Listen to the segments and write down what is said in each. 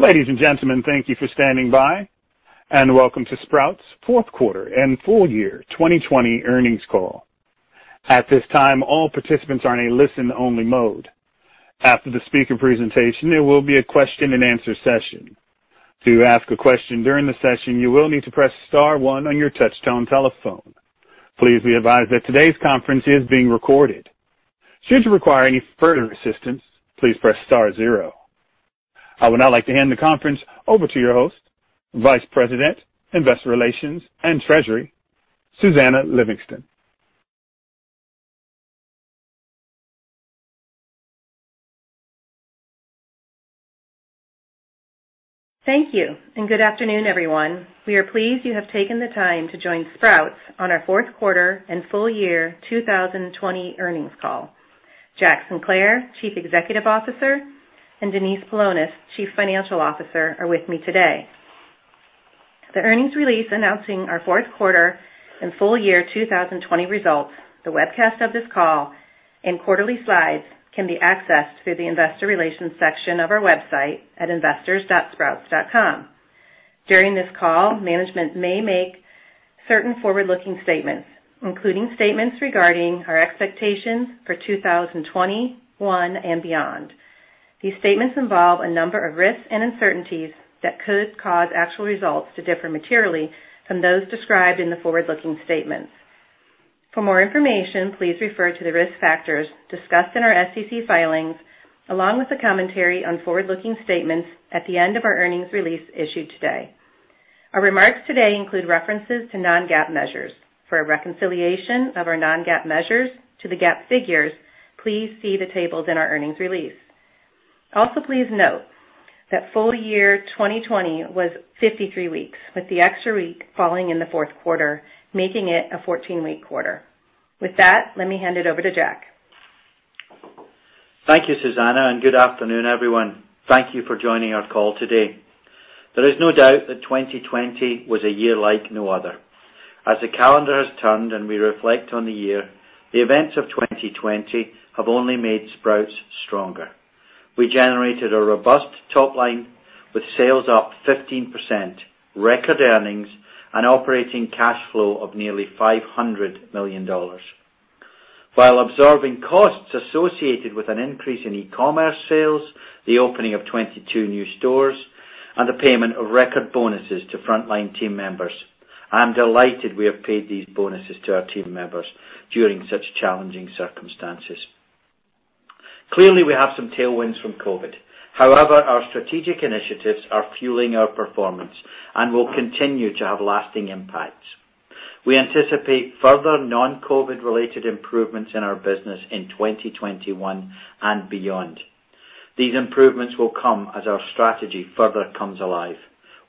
Ladies and gentlemen, thank you for standing by, and welcome to Sprouts' fourth quarter and full year 2020 earnings call. At this time, all participants are in a listen-only mode. After the speaker presentation, there will be a question and answer session. To ask a question during the session, you will need to press star one on your touchtone telephone. Please be advised that today's conference is being recorded. Should you require any further assistance, please press star zero. I would now like to hand the conference over to your host, Vice President, Investor Relations and Treasury, Susannah Livingston. Thank you, and good afternoon, everyone. We are pleased you have taken the time to join Sprouts on our fourth quarter and full year 2020 earnings call. Jack Sinclair, Chief Executive Officer, and Denise Paulonis, Chief Financial Officer, are with me today. The earnings release announcing our fourth quarter and full year 2020 results, the webcast of this call, and quarterly slides can be accessed through the investor relations section of our website at investors.sprouts.com. During this call, management may make certain forward-looking statements, including statements regarding our expectations for 2021 and beyond. These statements involve a number of risks and uncertainties that could cause actual results to differ materially from those described in the forward-looking statements. For more information, please refer to the risk factors discussed in our SEC filings, along with the commentary on forward-looking statements at the end of our earnings release issued today. Our remarks today include references to non-GAAP measures. For a reconciliation of our non-GAAP measures to the GAAP figures, please see the tables in our earnings release. Also, please note that full year 2020 was 53 weeks, with the extra week falling in the fourth quarter, making it a 14-week quarter. With that, let me hand it over to Jack. Thank you, Susannah. Good afternoon, everyone. Thank you for joining our call today. There is no doubt that 2020 was a year like no other. As the calendar has turned and we reflect on the year, the events of 2020 have only made Sprouts stronger. We generated a robust top line with sales up 15%, record earnings, and operating cash flow of nearly $500 million. While absorbing costs associated with an increase in e-commerce sales, the opening of 22 new stores, and the payment of record bonuses to frontline team members, I'm delighted we have paid these bonuses to our team members during such challenging circumstances. Clearly, we have some tailwinds from COVID. However, our strategic initiatives are fueling our performance and will continue to have lasting impacts. We anticipate further non-COVID related improvements in our business in 2021 and beyond. These improvements will come as our strategy further comes alive,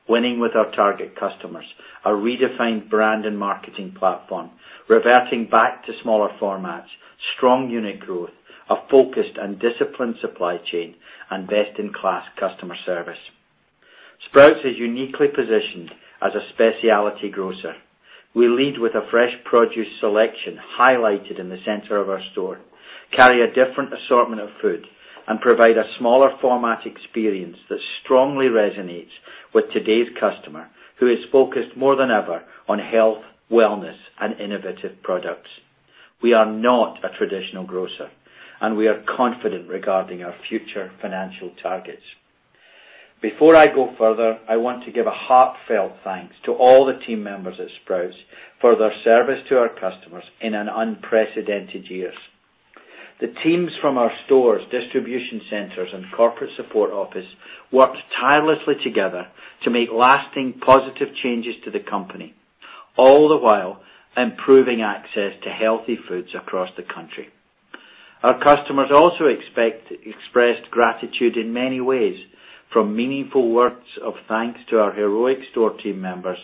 winning with our target customers, our redefined brand and marketing platform, reverting back to smaller formats, strong unit growth, a focused and disciplined supply chain, and best-in-class customer service. Sprouts is uniquely positioned as a speciality grocer. We lead with a fresh produce selection highlighted in the center of our store, carry a different assortment of food, and provide a smaller format experience that strongly resonates with today's customer, who is focused more than ever on health, wellness, and innovative products. We are not a traditional grocer, and we are confident regarding our future financial targets. Before I go further, I want to give a heartfelt thanks to all the team members at Sprouts for their service to our customers in an unprecedented year. The teams from our stores, distribution centers, and corporate support office worked tirelessly together to make lasting positive changes to the company, all the while improving access to healthy foods across the country. Our customers also expressed gratitude in many ways, from meaningful words of thanks to our heroic store team members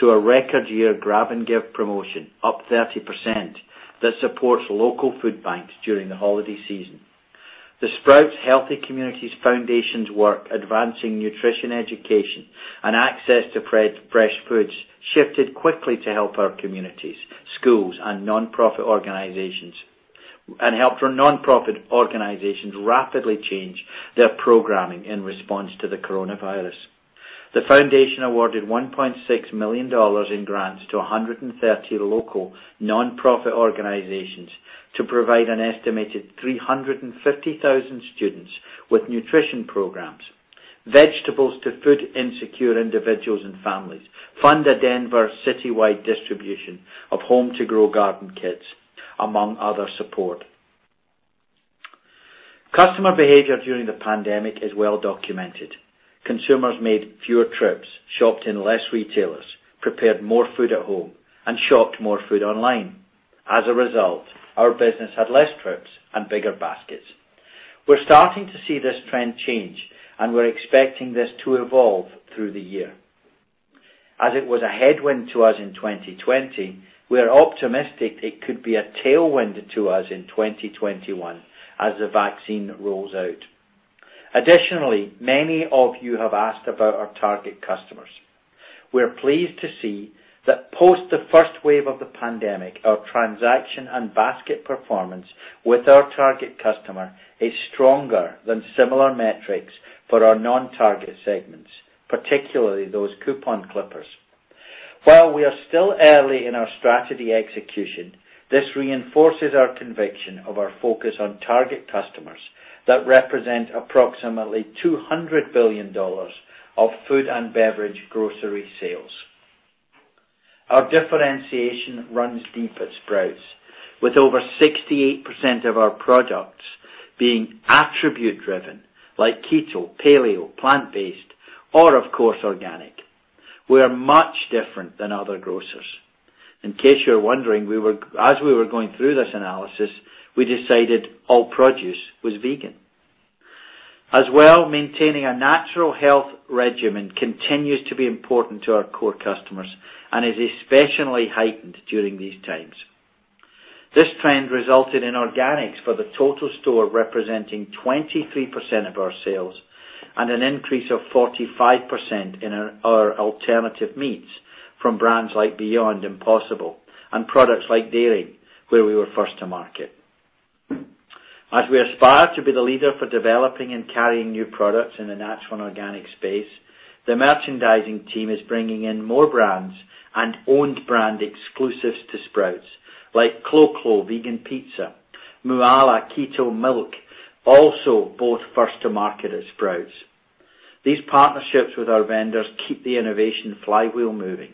to a record year Grab 'N' Give promotion, up 30%, that supports local food banks during the holiday season. The Sprouts Healthy Communities Foundation's work advancing nutrition education and access to fresh foods shifted quickly to help our communities, schools, and helped nonprofit organizations rapidly change their programming in response to the coronavirus. The foundation awarded $1.6 million in grants to 130 local nonprofit organizations to provide an estimated 350,000 students with nutrition programs, vegetables to food insecure individuals and families, fund a Denver citywide distribution of Home to Grow garden kits, among other support. Customer behavior during the pandemic is well documented. Consumers made fewer trips, shopped in less retailers, prepared more food at home, and shopped more food online. As a result, our business had less trips and bigger baskets. We're starting to see this trend change, and we're expecting this to evolve through the year. As it was a headwind to us in 2020, we are optimistic it could be a tailwind to us in 2021 as the vaccine rolls out. Additionally, many of you have asked about our target customers. We're pleased to see that post the first wave of the pandemic, our transaction and basket performance with our target customer is stronger than similar metrics for our non-target segments, particularly those coupon clippers. While we are still early in our strategy execution, this reinforces our conviction of our focus on target customers that represent approximately $200 billion of food and beverage grocery sales. Our differentiation runs deep at Sprouts, with over 68% of our products being attribute driven, like keto, paleo, plant-based, or, of course, organic. We are much different than other grocers. In case you're wondering, as we were going through this analysis, we decided all produce was vegan. As well, maintaining a natural health regimen continues to be important to our core customers and is especially heightened during these times. This trend resulted in organics for the total store representing 23% of our sales and an increase of 45% in our alternative meats from brands like Beyond, Impossible, and products like dairy, where we were first to market. As we aspire to be the leader for developing and carrying new products in the natural and organic space, the merchandising team is bringing in more brands and owned brand exclusives to Sprouts, like Clo Clo Vegan Pizza, Mooala Keto Mylk, also both first to market at Sprouts. These partnerships with our vendors keep the innovation flywheel moving.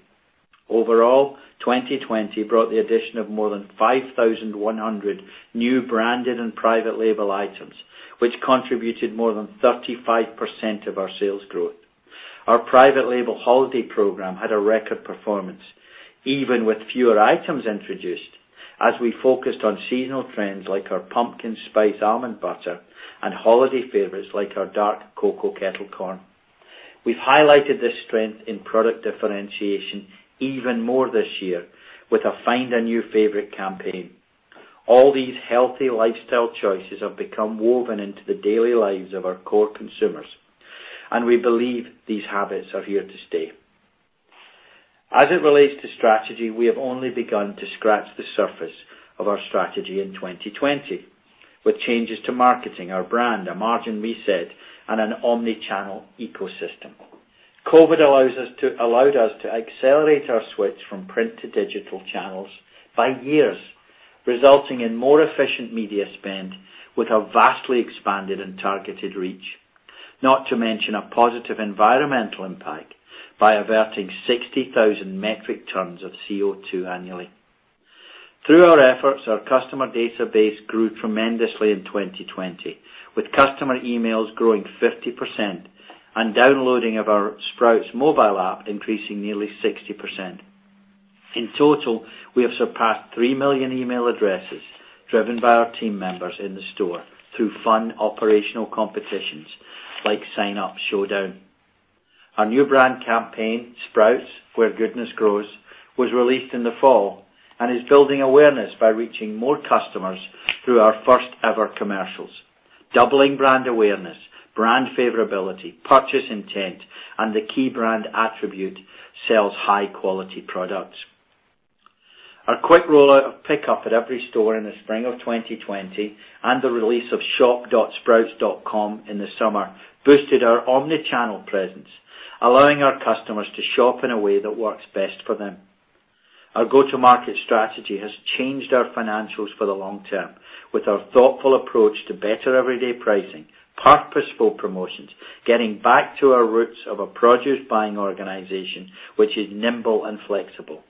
Overall, 2020 brought the addition of more than 5,100 new branded and private label items, which contributed more than 35% of our sales growth. Our private label holiday program had a record performance, even with fewer items introduced, as we focused on seasonal trends like our pumpkin spice almond butter and holiday favorites like our dark cocoa kettle corn. We've highlighted this strength in product differentiation even more this year with a Find a New Favorite campaign. All these healthy lifestyle choices have become woven into the daily lives of our core consumers, and we believe these habits are here to stay. As it relates to strategy, we have only begun to scratch the surface of our strategy in 2020, with changes to marketing, our brand, a margin reset, and an omnichannel ecosystem. COVID allowed us to accelerate our switch from print to digital channels by years, resulting in more efficient media spend with a vastly expanded and targeted reach. Not to mention a positive environmental impact by averting 60,000 metric tons of CO2 annually. Through our efforts, our customer database grew tremendously in 2020, with customer emails growing 50% and downloading of our Sprouts mobile app increasing nearly 60%. In total, we have surpassed 3 million email addresses driven by our team members in the store through fun operational competitions like Sign Up Showdown. Our new brand campaign, Sprouts, Where Goodness Grows, was released in the fall and is building awareness by reaching more customers through our first ever commercials, doubling brand awareness, brand favorability, purchase intent, and the key brand attribute, sells high quality products. Our quick rollout of pickup at every store in the spring of 2020 and the release of shop.sprouts.com in the summer boosted our omnichannel presence, allowing our customers to shop in a way that works best for them. Our go-to-market strategy has changed our financials for the long term, with our thoughtful approach to better everyday pricing, purposeful promotions, getting back to our roots of a produce buying organization, which is nimble and flexible.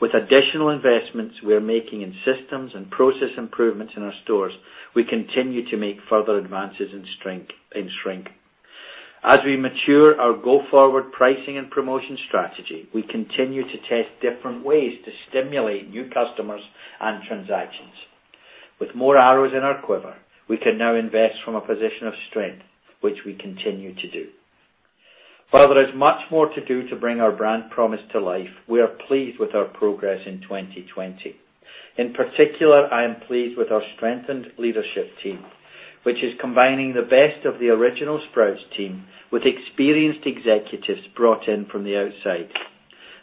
With additional investments we're making in systems and process improvements in our stores, we continue to make further advances in shrink. As we mature our go-forward pricing and promotion strategy, we continue to test different ways to stimulate new customers and transactions. With more arrows in our quiver, we can now invest from a position of strength, which we continue to do. While there is much more to do to bring our brand promise to life, we are pleased with our progress in 2020. In particular, I am pleased with our strengthened leadership team, which is combining the best of the original Sprouts team with experienced executives brought in from the outside.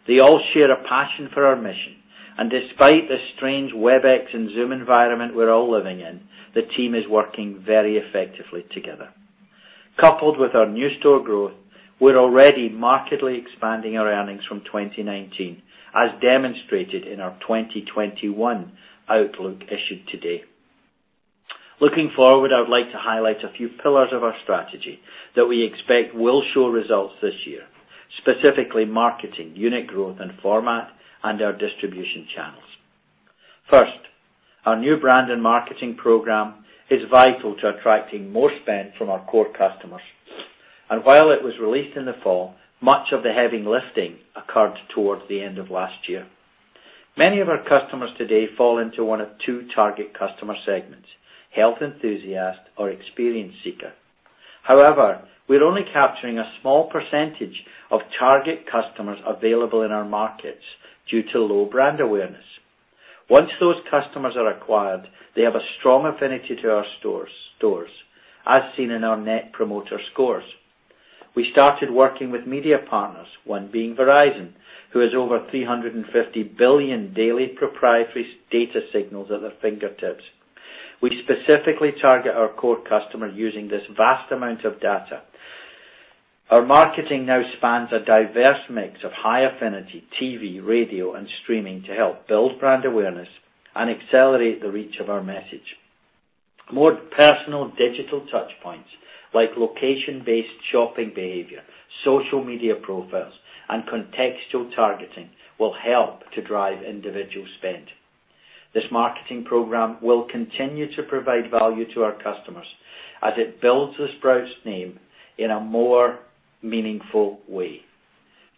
They all share a passion for our mission, and despite the strange Webex and Zoom environment we're all living in, the team is working very effectively together. Coupled with our new store growth, we're already markedly expanding our earnings from 2019, as demonstrated in our 2021 outlook issued today. Looking forward, I would like to highlight a few pillars of our strategy that we expect will show results this year, specifically marketing, unit growth and format, and our distribution channels. First our new brand and marketing program is vital to attracting more spend from our core customers. While it was released in the fall, much of the heavy lifting occurred towards the end of last year. Many of our customers today fall into one of two target customer segments, health enthusiast or experience seeker. However, we're only capturing a small percentage of target customers available in our markets due to low brand awareness. Once those customers are acquired, they have a strong affinity to our stores, as seen in our Net Promoter Scores. We started working with media partners, one being Verizon, who has over 350 billion daily proprietary data signals at their fingertips. We specifically target our core customer using this vast amount of data. Our marketing now spans a diverse mix of high affinity TV, radio, and streaming to help build brand awareness and accelerate the reach of our message. More personal digital touchpoints like location-based shopping behavior, social media profiles, and contextual targeting will help to drive individual spend. This marketing program will continue to provide value to our customers as it builds the Sprouts name in a more meaningful way.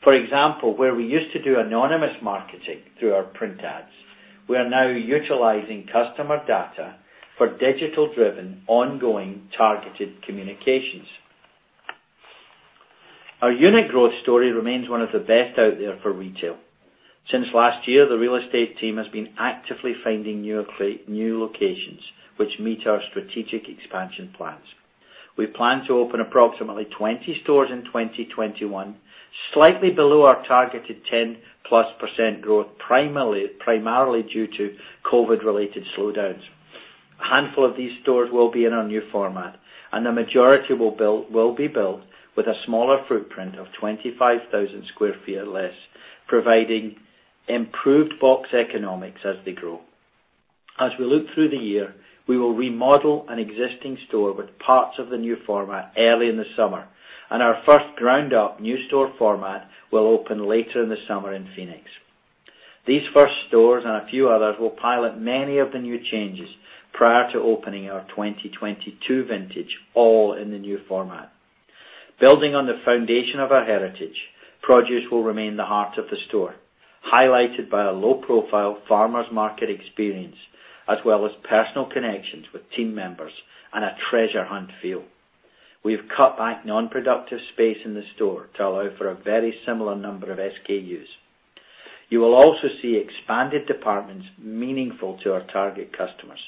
For example, where we used to do anonymous marketing through our print ads, we are now utilizing customer data for digital-driven, ongoing targeted communications. Our unit growth story remains one of the best out there for retail. Since last year, the real estate team has been actively finding new locations which meet our strategic expansion plans. We plan to open approximately 20 stores in 2021, slightly below our targeted 10%+ growth primarily due to COVID-related slowdowns. A handful of these stores will be in our new format, and the majority will be built with a smaller footprint of 25,000 sq ft or less, providing improved box economics as they grow. As we look through the year, we will remodel an existing store with parts of the new format early in the summer, and our first ground-up new store format will open later in the summer in Phoenix. These first stores and a few others will pilot many of the new changes prior to opening our 2022 vintage all in the new format. Building on the foundation of our heritage, produce will remain the heart of the store, highlighted by a low-profile farmers market experience, as well as personal connections with team members and a treasure hunt feel. We've cut back non-productive space in the store to allow for a very similar number of SKUs. You will also see expanded departments meaningful to our target customers,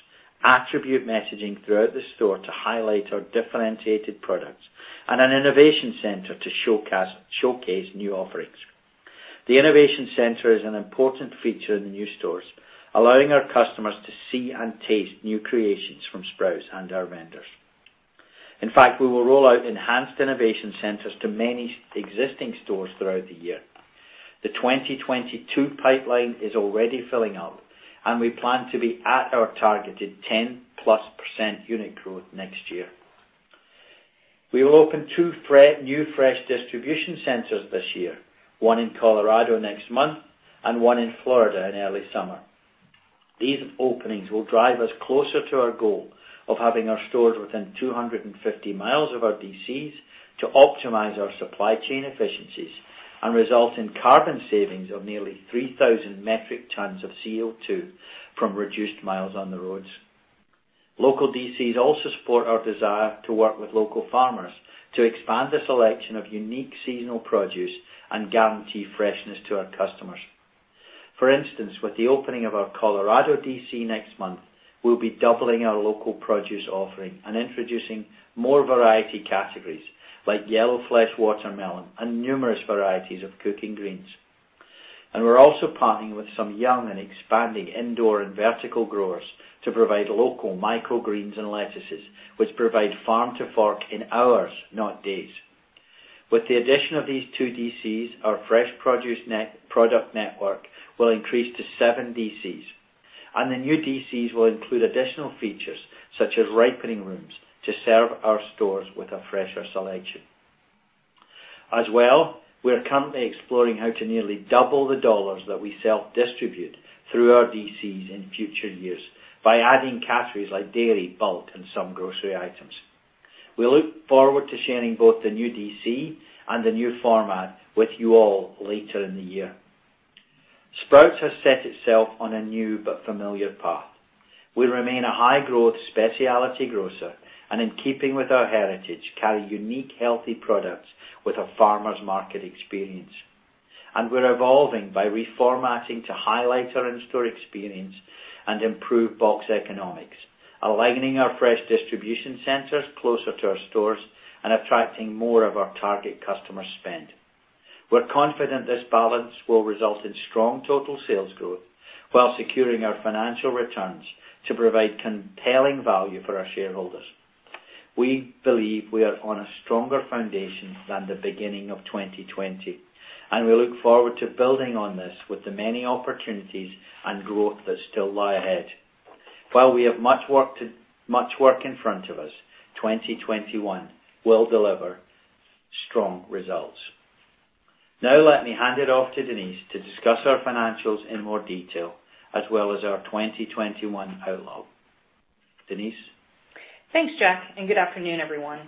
attribute messaging throughout the store to highlight our differentiated products, and an innovation center to showcase new offerings. The innovation center is an important feature in the new stores, allowing our customers to see and taste new creations from Sprouts and our vendors. In fact, we will roll out enhanced innovation centers to many existing stores throughout the year. The 2022 pipeline is already filling up, and we plan to be at our targeted 10%+ unit growth next year. We will open two new fresh distribution centers this year, one in Colorado next month and one in Florida in early summer. These openings will drive us closer to our goal of having our stores within 250 mi of our DCs to optimize our supply chain efficiencies and result in carbon savings of nearly 3,000 metric tons of CO2 from reduced miles on the roads. Local DCs also support our desire to work with local farmers to expand the selection of unique seasonal produce and guarantee freshness to our customers. For instance, with the opening of our Colorado DC next month, we'll be doubling our local produce offering and introducing more variety categories like yellow flesh watermelon and numerous varieties of cooking greens. We're also partnering with some young and expanding indoor and vertical growers to provide local microgreens and lettuces, which provide farm-to-fork in hours, not days. With the addition of these two DCs, our fresh produce product network will increase to seven DCs. The new DCs will include additional features such as ripening rooms to serve our stores with a fresher selection. As well, we are currently exploring how to nearly double the dollars that we self-distribute through our DCs in future years by adding categories like dairy, bulk, and some grocery items. We look forward to sharing both the new DC and the new format with you all later in the year. Sprouts has set itself on a new but familiar path. We remain a high-growth speciality grocer and, in keeping with our heritage, carry unique, healthy products with a farmers market experience. We're evolving by reformatting to highlight our in-store experience and improve box economics, aligning our fresh distribution centers closer to our stores and attracting more of our target customer spend. We're confident this balance will result in strong total sales growth while securing our financial returns to provide compelling value for our shareholders. We believe we are on a stronger foundation than the beginning of 2020, and we look forward to building on this with the many opportunities and growth that still lie ahead. While we have much work in front of us, 2021 will deliver strong results. Now let me hand it off to Denise to discuss our financials in more detail, as well as our 2021 outlook. Denise? Thanks, Jack. Good afternoon, everyone.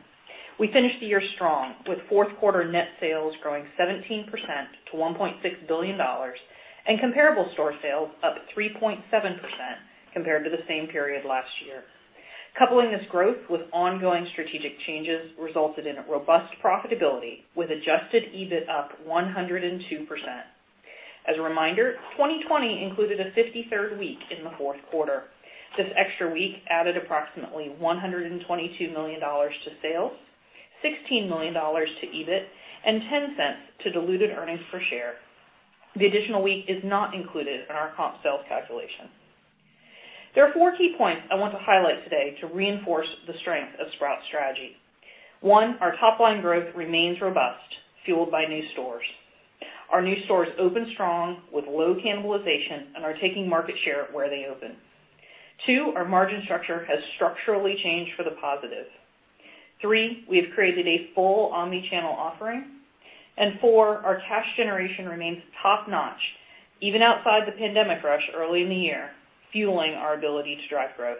We finished the year strong with fourth quarter net sales growing 17% to $1.6 billion and comparable store sales up 3.7% compared to the same period last year. Coupling this growth with ongoing strategic changes resulted in robust profitability with adjusted EBIT up 102%. As a reminder, 2020 included a 53rd week in the fourth quarter. This extra week added approximately $122 million to sales, $16 million to EBIT, and $0.10 to diluted earnings per share. The additional week is not included in our comp sales calculation. There are four key points I want to highlight today to reinforce the strength of Sprouts' strategy. One, our top-line growth remains robust, fueled by new stores. Our new stores open strong with low cannibalization and are taking market share where they open. Two, our margin structure has structurally changed for the positive. Three, we have created a full omnichannel offering. And four, our cash generation remains top-notch, even outside the pandemic rush early in the year, fueling our ability to drive growth.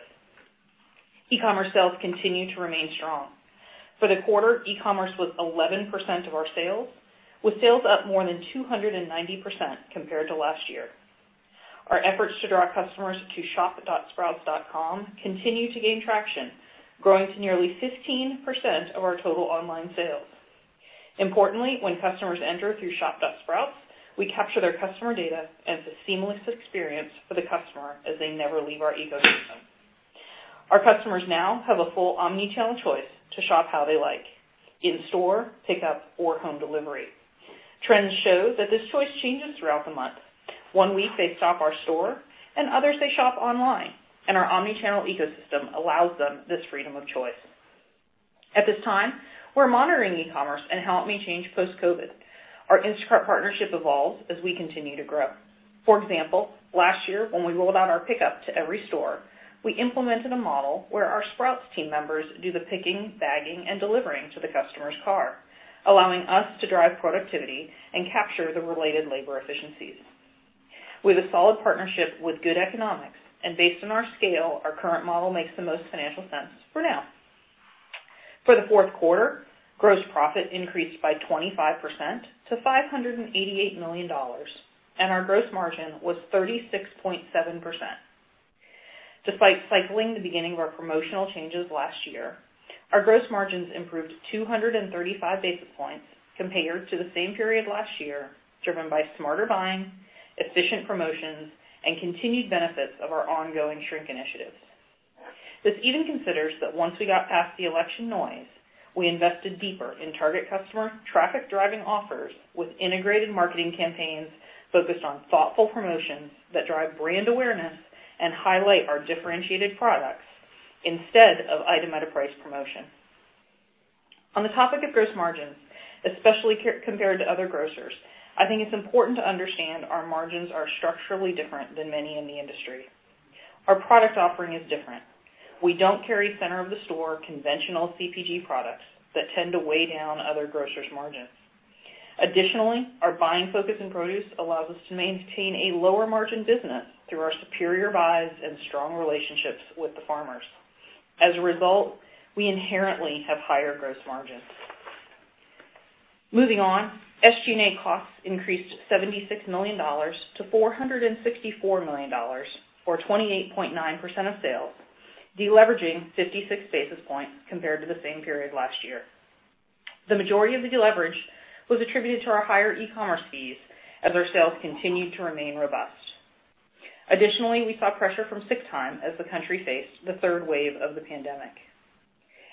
E-commerce sales continue to remain strong. For the quarter, e-commerce was 11% of our sales, with sales up more than 290% compared to last year. Our efforts to draw customers to shop.sprouts.com continue to gain traction, growing to nearly 15% of our total online sales. Importantly, when customers enter through shop.sprouts, we capture their customer data and it's a seamless experience for the customer, as they never leave our ecosystem. Our customers now have a full omnichannel choice to shop how they like, in store, pickup, or home delivery. Trends show that this choice changes throughout the month. One week they stop our store, and others they shop online, and our omnichannel ecosystem allows them this freedom of choice. At this time, we're monitoring e-commerce and how it may change post-COVID. Our Instacart partnership evolves as we continue to grow. For example, last year when we rolled out our pickup to every store, we implemented a model where our Sprouts team members do the picking, bagging, and delivering to the customer's car, allowing us to drive productivity and capture the related labor efficiencies. We have a solid partnership with good economics, and based on our scale, our current model makes the most financial sense for now. For the fourth quarter, gross profit increased by 25% to $588 million, and our gross margin was 36.7%. Despite cycling the beginning of our promotional changes last year, our gross margins improved 235 basis points compared to the same period last year, driven by smarter buying, efficient promotions, and continued benefits of our ongoing shrink initiatives. This even considers that once we got past the election noise, we invested deeper in target customer traffic-driving offers with integrated marketing campaigns focused on thoughtful promotions that drive brand awareness and highlight our differentiated products instead of item at a price promotion. On the topic of gross margins, especially compared to other grocers, I think it's important to understand our margins are structurally different than many in the industry. Our product offering is different. We don't carry center-of-the-store conventional CPG products that tend to weigh down other grocers' margins. Additionally, our buying focus and produce allows us to maintain a lower margin business through our superior buys and strong relationships with the farmers. As a result, we inherently have higher gross margins. Moving on. SG&A costs increased $76 million to $464 million, or 28.9% of sales, deleveraging 56 basis points compared to the same period last year. The majority of the deleverage was attributed to our higher e-commerce fees as our sales continued to remain robust. Additionally, we saw pressure from sick time as the country faced the third wave of the pandemic.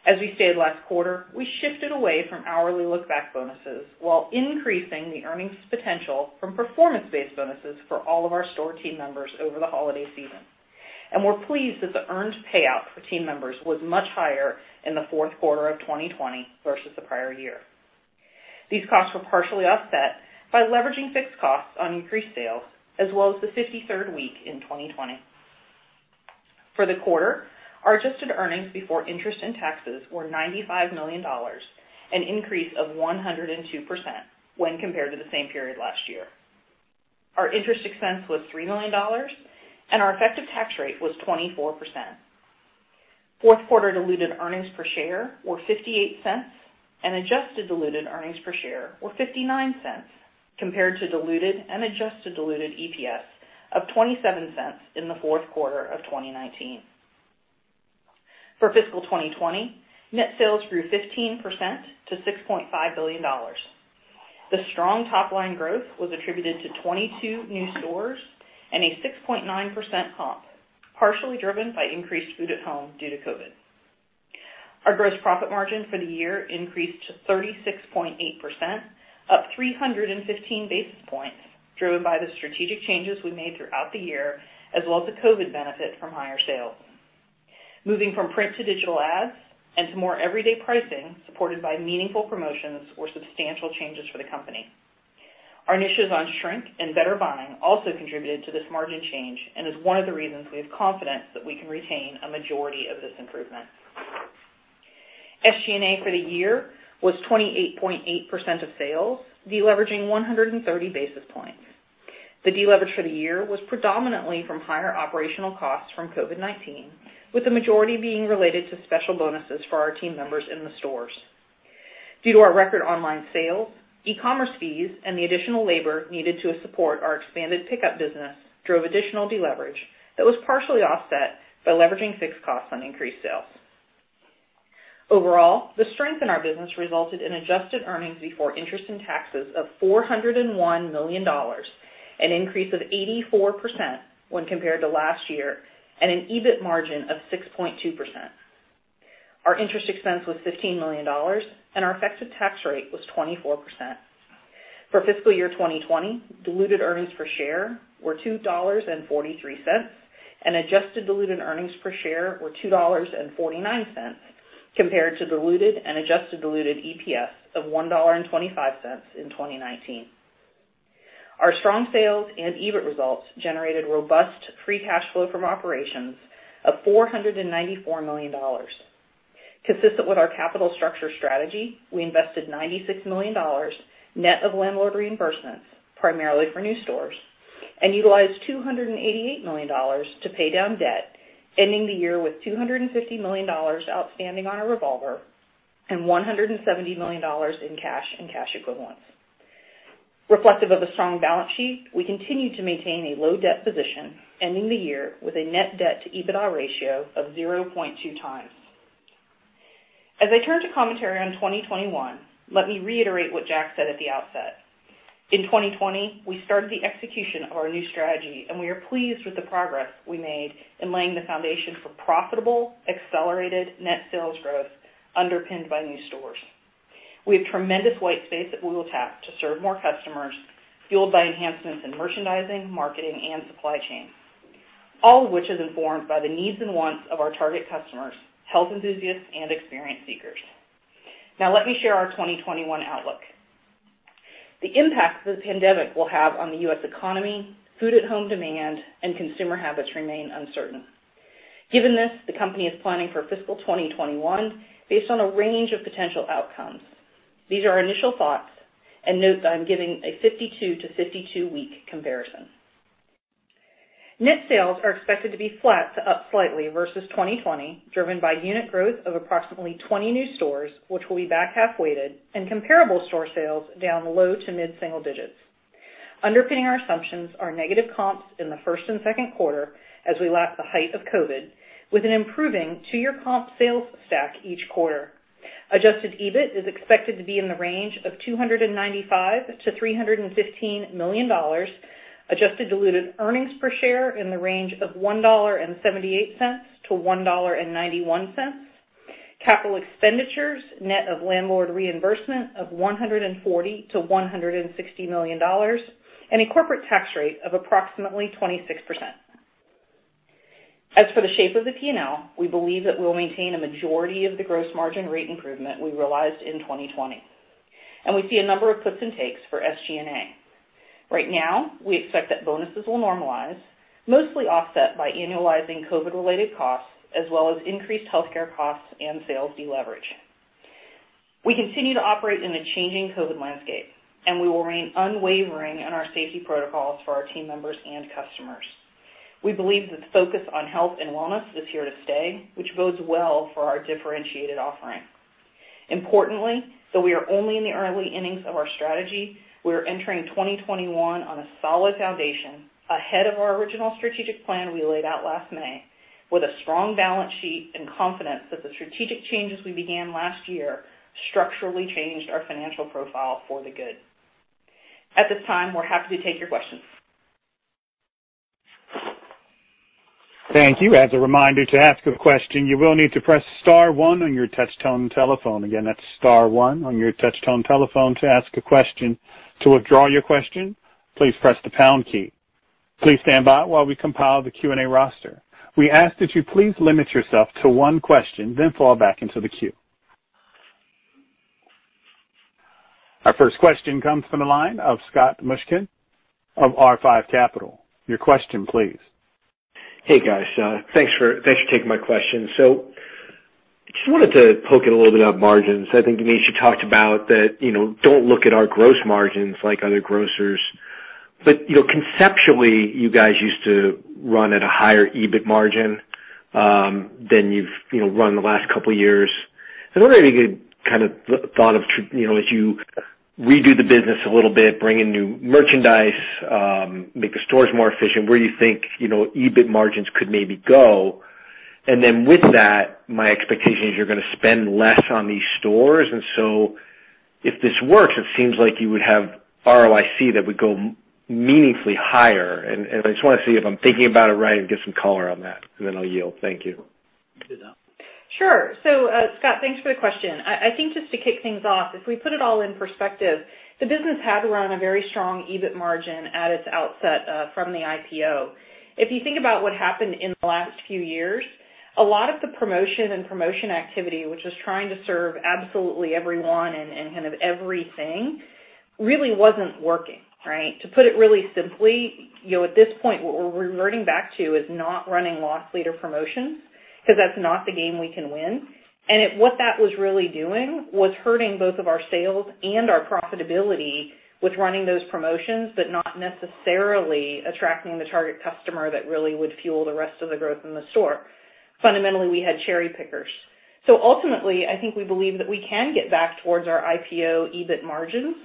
As we stated last quarter, we shifted away from hourly look-back bonuses while increasing the earnings potential from performance-based bonuses for all of our store team members over the holiday season. We're pleased that the earned payout for team members was much higher in the fourth quarter of 2020 versus the prior year. These costs were partially offset by leveraging fixed costs on increased sales, as well as the 53rd week in 2020. For the quarter, our adjusted earnings before interest and taxes were $95 million, an increase of 102% when compared to the same period last year. Our interest expense was $3 million, and our effective tax rate was 24%. Fourth quarter diluted earnings per share were $0.58 and adjusted diluted earnings per share were $0.59, compared to diluted and adjusted diluted EPS of $0.27 in the fourth quarter of 2019. For fiscal 2020, net sales grew 15% to $6.5 billion. The strong top-line growth was attributed to 22 new stores and a 6.9% comp, partially driven by increased food at home due to COVID. Our gross profit margin for the year increased to 36.8%, up 315 basis points, driven by the strategic changes we made throughout the year, as well as the COVID benefit from higher sales. Moving from print to digital ads and to more everyday pricing supported by meaningful promotions were substantial changes for the company. Our initiatives on shrink and better buying also contributed to this margin change and is one of the reasons we have confidence that we can retain a majority of this improvement. SG&A for the year was 28.8% of sales, deleveraging 130 basis points. The deleverage for the year was predominantly from higher operational costs from COVID-19, with the majority being related to special bonuses for our team members in the stores. Due to our record online sales, e-commerce fees and the additional labor needed to support our expanded pickup business drove additional deleverage that was partially offset by leveraging fixed costs on increased sales. Overall, the strength in our business resulted in adjusted earnings before interest and taxes of $401 million, an increase of 84% when compared to last year, and an EBIT margin of 6.2%. Our interest expense was $15 million, and our effective tax rate was 24%. For fiscal year 2020, diluted earnings per share were $2.43, and adjusted diluted earnings per share were $2.49, compared to diluted and adjusted diluted EPS of $1.25 in 2019. Our strong sales and EBIT results generated robust free cash flow from operations of $494 million. Consistent with our capital structure strategy, we invested $96 million, net of landlord reimbursements, primarily for new stores, and utilized $288 million to pay down debt, ending the year with $250 million outstanding on our revolver and $170 million in cash and cash equivalents. Reflective of a strong balance sheet, we continue to maintain a low debt position, ending the year with a net debt to EBITDA ratio of 0.2x. As I turn to commentary on 2021, let me reiterate what Jack said at the outset. In 2020, we started the execution of our new strategy, and we are pleased with the progress we made in laying the foundation for profitable, accelerated net sales growth underpinned by new stores. We have tremendous white space that we will tap to serve more customers, fueled by enhancements in merchandising, marketing, and supply chain, all of which is informed by the needs and wants of our target customers, health enthusiasts, and experience seekers. Now, let me share our 2021 outlook. The impact the pandemic will have on the U.S. economy, food at home demand, and consumer habits remain uncertain. Given this, the company is planning for fiscal 2021 based on a range of potential outcomes. These are our initial thoughts, and note that I'm giving a 52 to 52 week comparison. Net sales are expected to be flat to up slightly versus 2020, driven by unit growth of approximately 20 new stores, which will be back half weighted, and comparable store sales down low to mid single digits. Underpinning our assumptions are negative comps in the first and second quarter as we lap the height of COVID, with an improving two year comp sales stack each quarter. Adjusted EBIT is expected to be in the range of $295 million-$315 million, adjusted diluted earnings per share in the range of $1.78-$1.91, capital expenditures net of landlord reimbursement of $140 million-$160 million, and a corporate tax rate of approximately 26%. As for the shape of the P&L, we believe that we'll maintain a majority of the gross margin rate improvement we realized in 2020. We see a number of puts and takes for SG&A. Right now, we expect that bonuses will normalize, mostly offset by annualizing COVID-related costs, as well as increased healthcare costs and sales deleverage. We continue to operate in a changing COVID landscape. We will remain unwavering in our safety protocols for our team members and customers. We believe the focus on health and wellness is here to stay, which bodes well for our differentiated offering. Importantly, though we are only in the early innings of our strategy, we are entering 2021 on a solid foundation ahead of our original strategic plan we laid out last May with a strong balance sheet and confidence that the strategic changes we began last year structurally changed our financial profile for the good. At this time, we're happy to take your questions. Thank you. As a reminder, to ask a question, you will need to press star one on your touch-tone telephone. Again, that's star one on your touch-tone telephone to ask a question. To withdraw your question, please press the pound key. Please stand by while we compile the Q&A roster. We ask that you please limit yourself to one question, then fall back into the queue. Our first question comes from the line of Scott Mushkin of R5 Capital. Your question please. Hey, guys. Thanks for taking my question. Just wanted to poke in a little bit on margins. I think Denise, you talked about that don't look at our gross margins like other grocers, but conceptually, you guys used to run at a higher EBIT margin than you've run the last couple of years. I was wondering if you could kind of thought of as you redo the business a little bit, bring in new merchandise, make the stores more efficient, where you think EBIT margins could maybe go. With that, my expectation is you're going to spend less on these stores, if this works, it seems like you would have ROIC that would go meaningfully higher, I just want to see if I'm thinking about it right and get some color on that, I'll yield. Thank you. Sure. Scott, thanks for the question. I think just to kick things off, if we put it all in perspective, the business had to run a very strong EBIT margin at its outset from the IPO. If you think about what happened in the last few years, a lot of the promotion and promotion activity, which was trying to serve absolutely everyone and kind of everything really wasn't working, right? To put it really simply, at this point, what we're reverting back to is not running loss leader promotions because that's not the game we can win. What that was really doing was hurting both of our sales and our profitability with running those promotions, but not necessarily attracting the target customer that really would fuel the rest of the growth in the store. Fundamentally, we had cherry pickers. Ultimately, I think we believe that we can get back towards our IPO EBIT margins.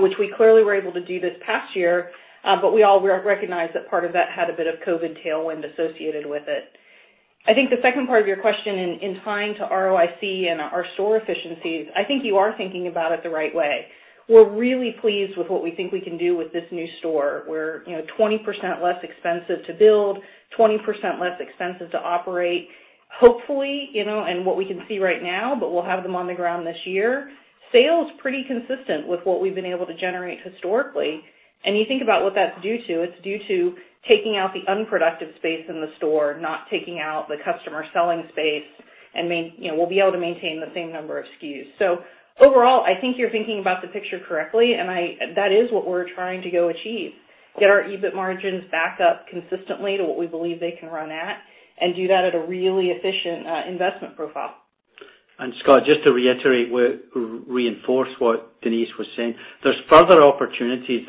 Which we clearly were able to do this past year, but we all recognize that part of that had a bit of COVID tailwind associated with it. I think the second part of your question in tying to ROIC and our store efficiencies, I think you are thinking about it the right way. We're really pleased with what we think we can do with this new store. We're 20% less expensive to build, 20% less expensive to operate. Hopefully, and what we can see right now, but we'll have them on the ground this year, sales pretty consistent with what we've been able to generate historically. You think about what that's due to, it's due to taking out the unproductive space in the store, not taking out the customer selling space, and we'll be able to maintain the same number of SKUs. Overall, I think you're thinking about the picture correctly, and that is what we're trying to go achieve, get our EBIT margins back up consistently to what we believe they can run at and do that at a really efficient investment profile. Scott, just to reiterate, reinforce what Denise was saying. There's further opportunities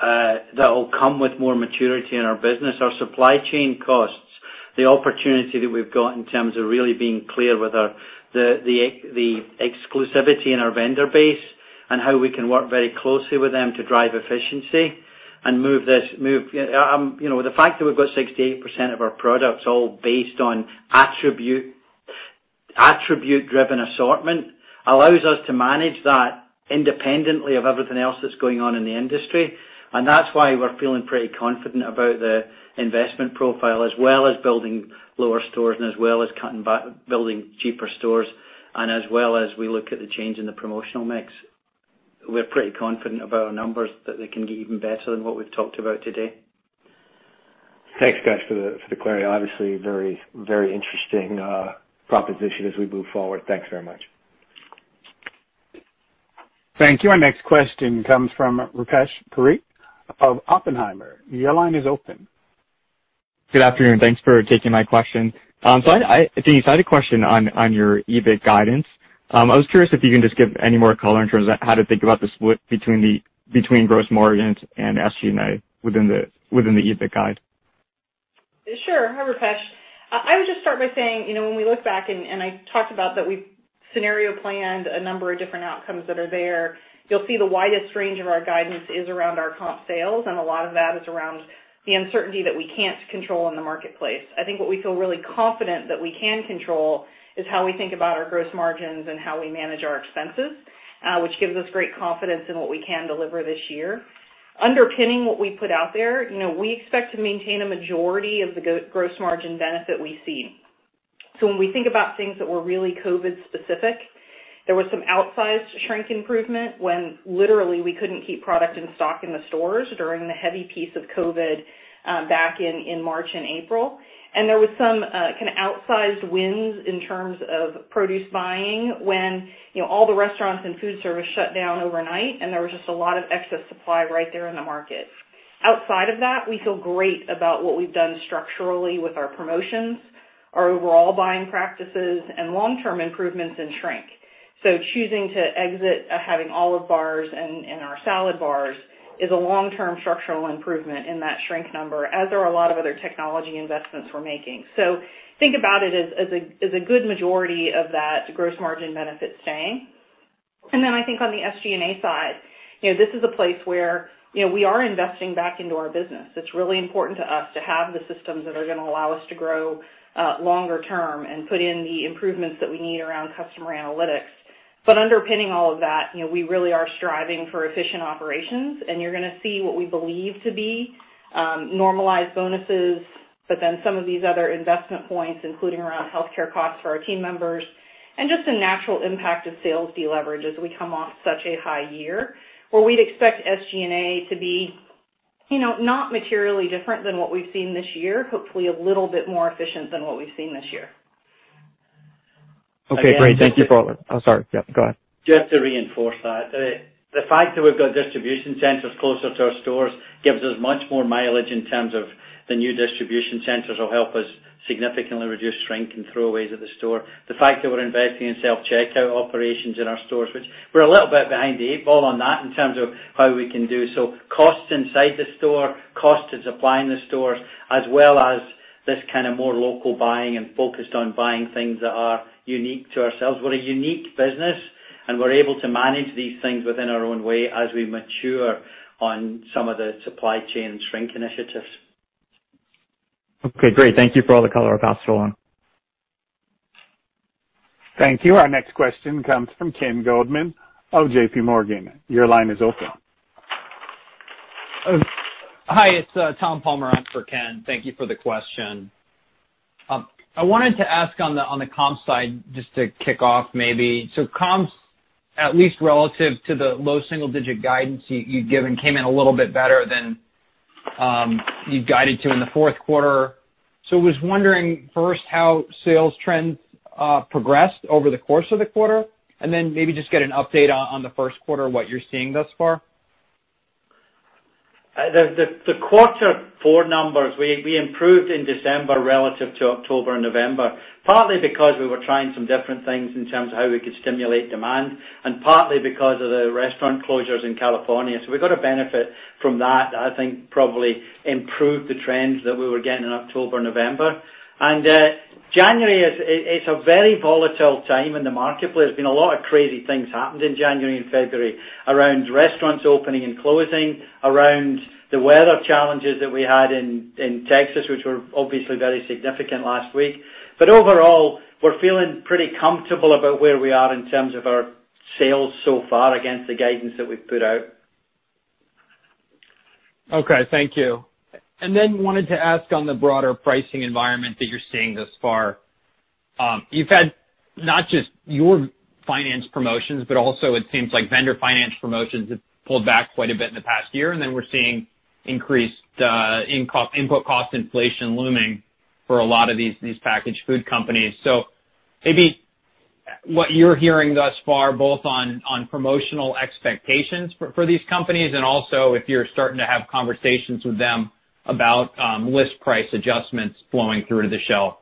that'll come with more maturity in our business. Our supply chain costs, the opportunity that we've got in terms of really being clear with the exclusivity in our vendor base and how we can work very closely with them to drive efficiency. The fact that we've got 68% of our products all based on attribute-driven assortment allows us to manage that independently of everything else that's going on in the industry. That's why we're feeling pretty confident about the investment profile as well as building lower stores and as well as building cheaper stores and as well as we look at the change in the promotional mix. We're pretty confident of our numbers that they can get even better than what we've talked about today. Thanks, guys, for the clarity. Obviously, very interesting proposition as we move forward. Thanks very much. Thank you. Our next question comes from Rupesh Parikh of Oppenheimer. Your line is open. Good afternoon. Thanks for taking my question. Denise, I had a question on your EBIT guidance. I was curious if you can just give any more color in terms of how to think about the split between gross margins and SG&A within the EBIT guide. Sure. Hi, Rupesh. I would just start by saying, when we look back and I talked about that we've scenario planned a number of different outcomes that are there. You'll see the widest range of our guidance is around our comp sales, and a lot of that is around the uncertainty that we can't control in the marketplace. I think what we feel really confident that we can control is how we think about our gross margins and how we manage our expenses, which gives us great confidence in what we can deliver this year. Underpinning what we put out there, we expect to maintain a majority of the gross margin benefit we see. When we think about things that were really COVID specific, there was some outsized shrink improvement when literally we couldn't keep product in stock in the stores during the heavy piece of COVID back in March and April. There was some kind of outsized wins in terms of produce buying when all the restaurants and food service shut down overnight, and there was just a lot of excess supply right there in the market. Outside of that, we feel great about what we've done structurally with our promotions, our overall buying practices, and long-term improvements in shrink. Choosing to exit having olive bars and our salad bars is a long-term structural improvement in that shrink number as there are a lot of other technology investments we're making. Think about it as a good majority of that gross margin benefit staying. I think on the SG&A side, this is a place where we are investing back into our business. It's really important to us to have the systems that are going to allow us to grow longer term and put in the improvements that we need around customer analytics. Underpinning all of that, we really are striving for efficient operations and you're going to see what we believe to be normalized bonuses. Then some of these other investment points, including around healthcare costs for our team members and just a natural impact of sales de-leverage as we come off such a high year where we'd expect SG&A to be not materially different than what we've seen this year, hopefully a little bit more efficient than what we've seen this year. Okay, great. Thank you. Oh, sorry. Yeah, go ahead. Just to reinforce that, the fact that we've got distribution centers closer to our stores gives us much more mileage in terms of the new distribution centers will help us significantly reduce shrink and throwaways at the store. The fact that we're investing in self-checkout operations in our stores, which we're a little bit behind the eight ball on that in terms of how we can do. Costs inside the store, cost of supplying the stores, as well as this kind of more local buying and focused on buying things that are unique to ourselves. We're a unique business and we're able to manage these things within our own way as we mature on some of the supply chain shrink initiatives. Okay, great. Thank you for all the color, I'll pass it along. Thank you. Our next question comes from Ken Goldman of JPMorgan. Your line is open. Hi, it's Tom Palmer on for Ken. Thank you for the question. I wanted to ask on the comp side, just to kick off maybe. Comps, at least relative to the low single digit guidance you'd given, came in a little bit better than you'd guided to in the fourth quarter. I was wondering first how sales trends progressed over the course of the quarter, and then maybe just get an update on the first quarter, what you're seeing thus far. The quarter four numbers, we improved in December relative to October and November, partly because we were trying some different things in terms of how we could stimulate demand and partly because of the restaurant closures in California. We got a benefit from that that I think probably improved the trends that we were getting in October, November. January is a very volatile time in the marketplace. Been a lot of crazy things happened in January and February around restaurants opening and closing, around the weather challenges that we had in Texas, which were obviously very significant last week. Overall, we're feeling pretty comfortable about where we are in terms of our sales so far against the guidance that we've put out. Okay, thank you. Wanted to ask on the broader pricing environment that you're seeing thus far. You've had not just your finance promotions, but also it seems like vendor finance promotions have pulled back quite a bit in the past year, and then we're seeing increased input cost inflation looming for a lot of these packaged food companies. Maybe what you're hearing thus far, both on promotional expectations for these companies and also if you're starting to have conversations with them about list price adjustments flowing through to the shelf.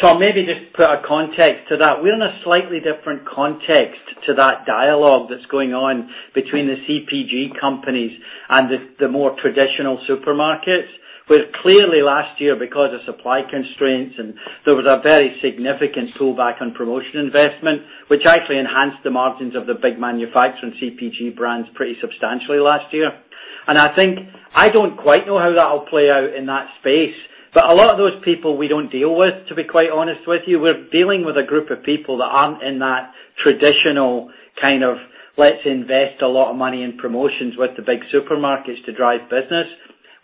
Tom, maybe just put a context to that. We're in a slightly different context to that dialogue that's going on between the CPG companies and the more traditional supermarkets. Clearly last year, because of supply constraints, there was a very significant pullback on promotion investment, which actually enhanced the margins of the big manufacturing CPG brands pretty substantially last year. I think I don't quite know how that'll play out in that space. A lot of those people we don't deal with, to be quite honest with you. We're dealing with a group of people that aren't in that traditional kind of, let's invest a lot of money in promotions with the big supermarkets to drive business.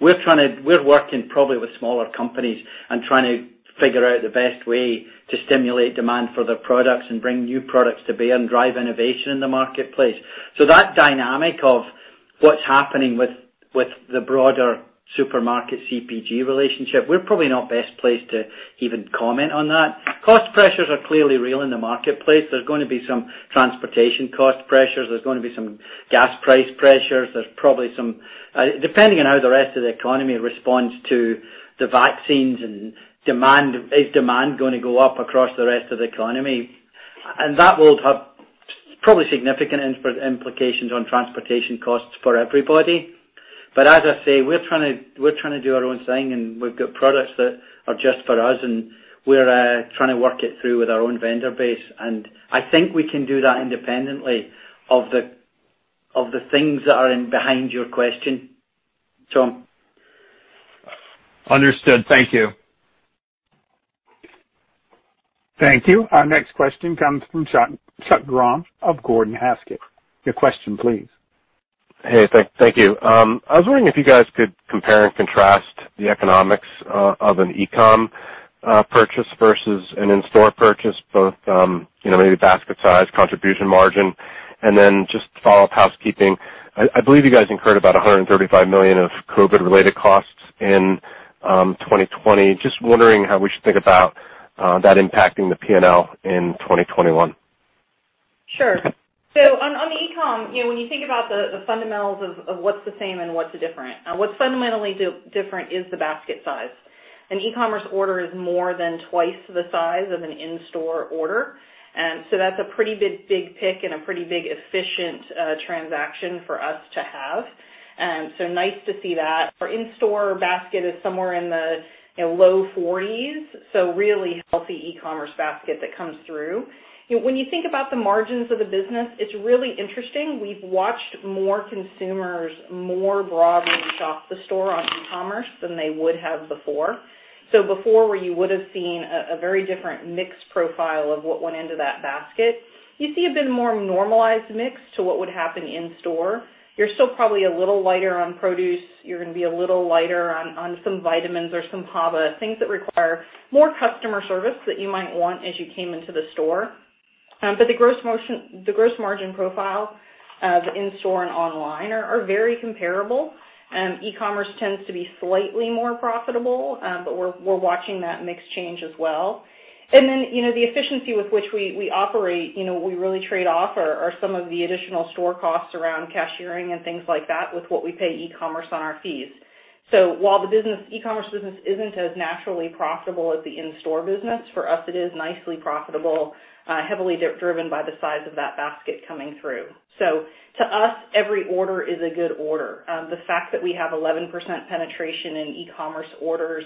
We're working probably with smaller companies and trying to figure out the best way to stimulate demand for their products and bring new products to bear and drive innovation in the marketplace. That dynamic of what's happening with the broader supermarket CPG relationship, we're probably not best placed to even comment on that. Cost pressures are clearly real in the marketplace. There's going to be some transportation cost pressures. There's going to be some gas price pressures. There's probably some depending on how the rest of the economy responds to the vaccines and is demand going to go up across the rest of the economy. That will have probably significant implications on transportation costs for everybody. As I say, we're trying to do our own thing, and we've got products that are just for us, and we're trying to work it through with our own vendor base. I think we can do that independently of the things that are in behind your question, Tom. Understood. Thank you. Thank you. Our next question comes from Chuck Grom of Gordon Haskett. Your question, please. Hey, thank you. I was wondering if you guys could compare and contrast the economics of an e-com purchase versus an in-store purchase, both maybe basket size, contribution margin. Then just follow-up housekeeping. I believe you guys incurred about $135 million of COVID related costs in 2020. Just wondering how we should think about that impacting the P&L in 2021. Sure. On the e-com, when you think about the fundamentals of what's the same and what's different. What's fundamentally different is the basket size. An e-commerce order is more than twice the size of an in-store order. That's a pretty big pick and a pretty big efficient transaction for us to have. Nice to see that. Our in-store basket is somewhere in the low 40s, so really healthy e-commerce basket that comes through. When you think about the margins of the business, it's really interesting. We've watched more consumers more broadly shop the store on e-commerce than they would have before. Before where you would've seen a very different mix profile of what went into that basket, you see a bit more normalized mix to what would happen in-store. You're still probably a little lighter on produce. You're going to be a little lighter on some vitamins or some HABA, things that require more customer service that you might want as you came into the store. The gross margin profile of in-store and online are very comparable. E-commerce tends to be slightly more profitable. We're watching that mix change as well. The efficiency with which we operate, what we really trade off are some of the additional store costs around cashiering and things like that with what we pay e-commerce on our fees. While the e-commerce business isn't as naturally profitable as the in-store business, for us, it is nicely profitable, heavily driven by the size of that basket coming through. To us, every order is a good order. The fact that we have 11% penetration in e-commerce orders,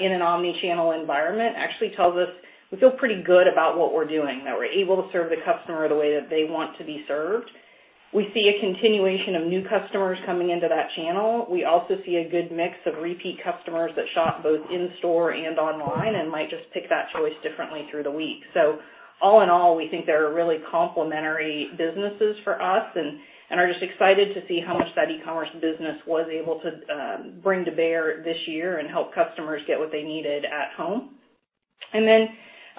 in an omnichannel environment, actually tells us we feel pretty good about what we're doing, that we're able to serve the customer the way that they want to be served. We see a continuation of new customers coming into that channel. We also see a good mix of repeat customers that shop both in-store and online and might just pick that choice differently through the week. All in all, we think they are really complimentary businesses for us and are just excited to see how much that e-commerce business was able to bring to bear this year and help customers get what they needed at home.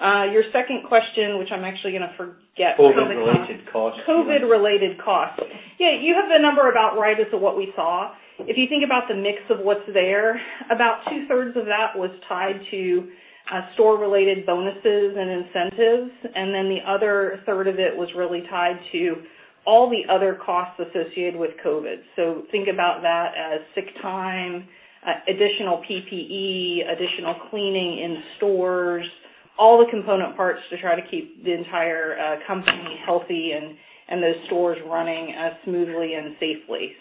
Your second question, which I'm actually going to forget because of the cost. COVID related costs. COVID related costs. Yeah, you have the number about right as to what we saw. If you think about the mix of what's there, about two-thirds of that was tied to store related bonuses and incentives, and then the other third of it was really tied to all the other costs associated with COVID. Think about that as sick time, additional PPE, additional cleaning in store. All the component parts to try to keep the entire company healthy and those stores running smoothly and safely.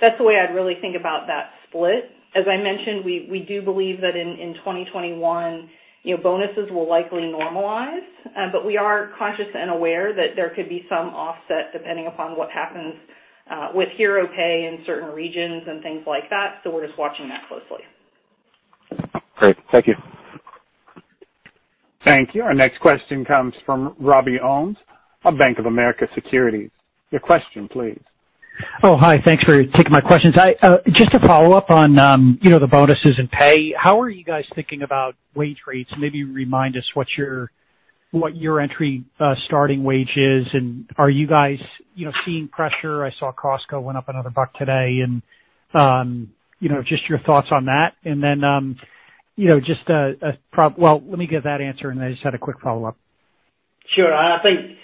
That's the way I'd really think about that split. As I mentioned, we do believe that in 2021, bonuses will likely normalize. We are conscious and aware that there could be some offset depending upon what happens with hero pay in certain regions and things like that. We're just watching that closely. Great. Thank you. Thank you. Our next question comes from Robbie Ohmes of Bank of America Securities. Your question, please. Oh, hi. Thanks for taking my questions. Just to follow up on the bonuses and pay, how are you guys thinking about wage rates? Maybe remind us what your entry starting wage is, and are you guys seeing pressure? I saw Costco went up another buck today. Just your thoughts on that. Well, let me get that answer, and I just had a quick follow-up. Sure. I think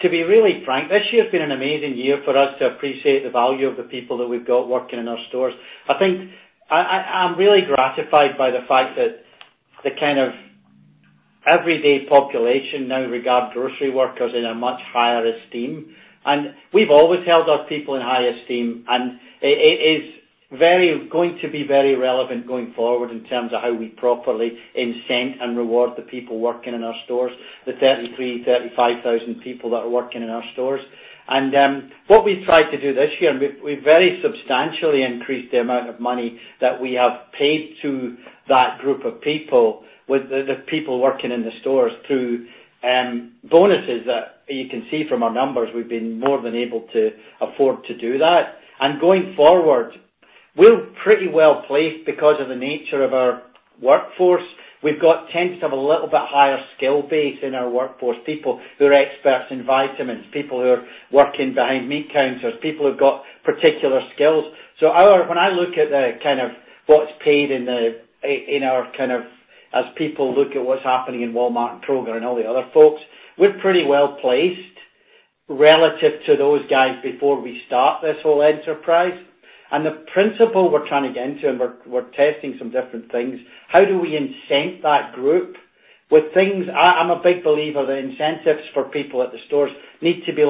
to be really frank, this year's been an amazing year for us to appreciate the value of the people that we've got working in our stores. I think I'm really gratified by the fact that the kind of everyday population now regard grocery workers in a much higher esteem. We've always held our people in high esteem. It is going to be very relevant going forward in terms of how we properly incent and reward the people working in our stores, the 33,000, 35,000 people that are working in our stores. What we've tried to do this year, and we've very substantially increased the amount of money that we have paid to that group of people, with the people working in the stores through bonuses that you can see from our numbers, we've been more than able to afford to do that. Going forward, we're pretty well-placed because of the nature of our workforce. We've got tends to have a little bit higher skill base in our workforce. People who are experts in vitamins, people who are working behind meat counters, people who've got particular skills. When I look at the kind of what's paid as people look at what's happening in Walmart and Kroger and all the other folks, we're pretty well-placed relative to those guys before we start this whole enterprise. The principle we're trying to get into, and we're testing some different things, how do we incent that group with things I'm a big believer that incentives for people at the stores need to be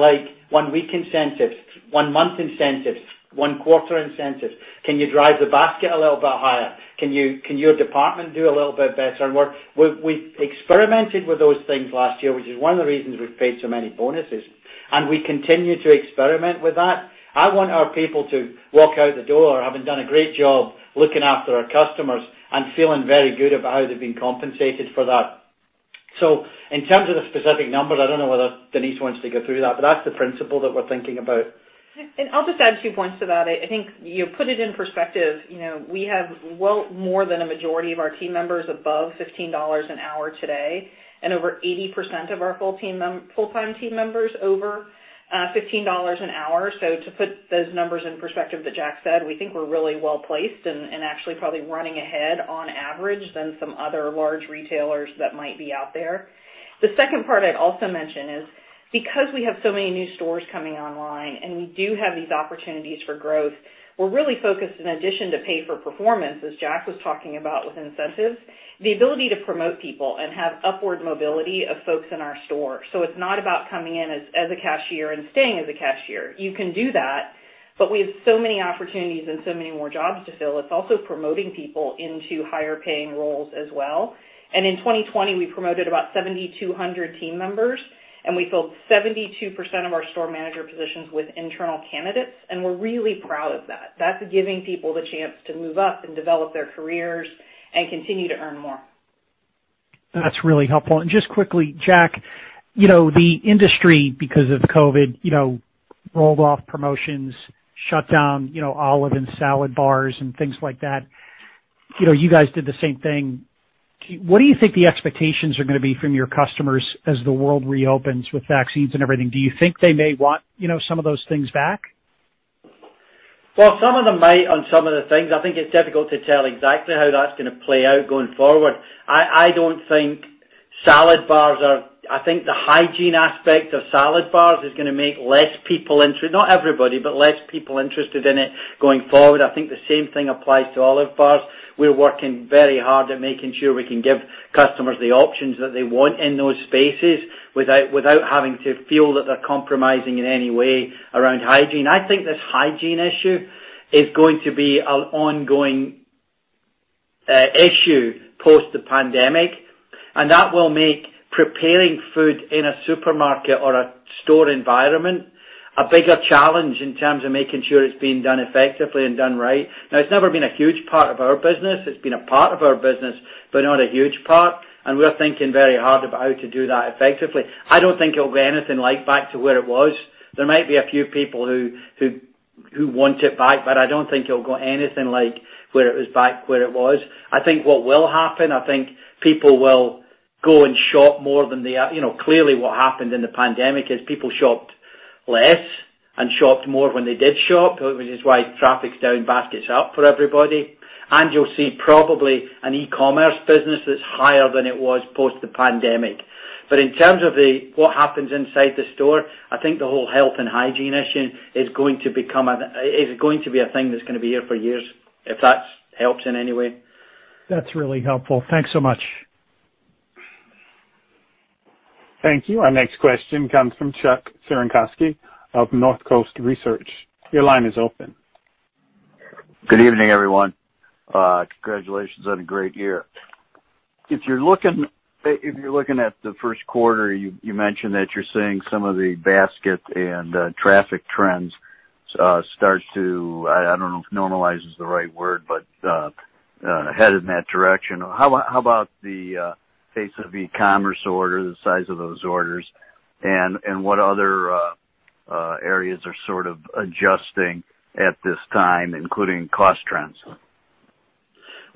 one-week incentives, one-month incentives, one-quarter incentives. Can you drive the basket a little bit higher? Can your department do a little bit better? We've experimented with those things last year, which is one of the reasons we've paid so many bonuses, and we continue to experiment with that. I want our people to walk out the door, having done a great job looking after our customers and feeling very good about how they've been compensated for that. In terms of the specific numbers, I don't know whether Denise wants to go through that, but that's the principle that we're thinking about. I'll just add two points to that. I think you put it in perspective. We have well more than a majority of our team members above $15 an hour today and over 80% of our full-time team members over $15 an hour. To put those numbers in perspective that Jack said, we think we're really well-placed and actually probably running ahead on average than some other large retailers that might be out there. The second part I'd also mention is because we have so many new stores coming online and we do have these opportunities for growth, we're really focused, in addition to pay for performance, as Jack was talking about with incentives, the ability to promote people and have upward mobility of folks in our store. It's not about coming in as a cashier and staying as a cashier. You can do that, but we have so many opportunities and so many more jobs to fill. It's also promoting people into higher paying roles as well. In 2020, we promoted about 7,200 team members, and we filled 72% of our store manager positions with internal candidates, and we're really proud of that. That's giving people the chance to move up and develop their careers and continue to earn more. That's really helpful. Just quickly, Jack, the industry, because of COVID, rolled off promotions, shut down olive and salad bars and things like that. You guys did the same thing. What do you think the expectations are going to be from your customers as the world reopens with vaccines and everything? Do you think they may want some of those things back? Well, some of them might on some of the things. I think it's difficult to tell exactly how that's gonna play out going forward. I think the hygiene aspect of salad bars is gonna make less people interested, not everybody, but less people interested in it going forward. I think the same thing applies to olive bars. We're working very hard at making sure we can give customers the options that they want in those spaces without having to feel that they're compromising in any way around hygiene. I think this hygiene issue is going to be an ongoing issue post the pandemic, and that will make preparing food in a supermarket or a store environment a bigger challenge in terms of making sure it's being done effectively and done right. Now, it's never been a huge part of our business. It's been a part of our business, but not a huge part. We're thinking very hard about how to do that effectively. I don't think it'll be anything like back to where it was. There might be a few people who want it back. I don't think it'll go anything like where it was. What will happen, I think people will go and shop more than they are. Clearly, what happened in the pandemic is people shopped less and shopped more when they did shop, which is why traffic's down, basket's up for everybody. You'll see probably an e-commerce business that's higher than it was post the pandemic. In terms of what happens inside the store, I think the whole health and hygiene issue is going to be a thing that's going to be here for years, if that helps in any way. That's really helpful. Thanks so much. Thank you. Our next question comes from Chuck Cerankosky of Northcoast Research. Your line is open. Good evening, everyone. Congratulations on a great year. If you're looking at the first quarter, you mentioned that you're seeing some of the basket and traffic trends start to, I don't know if normalize is the right word, but headed in that direction. How about the pace of e-commerce orders, the size of those orders, and what other areas are sort of adjusting at this time, including cost trends?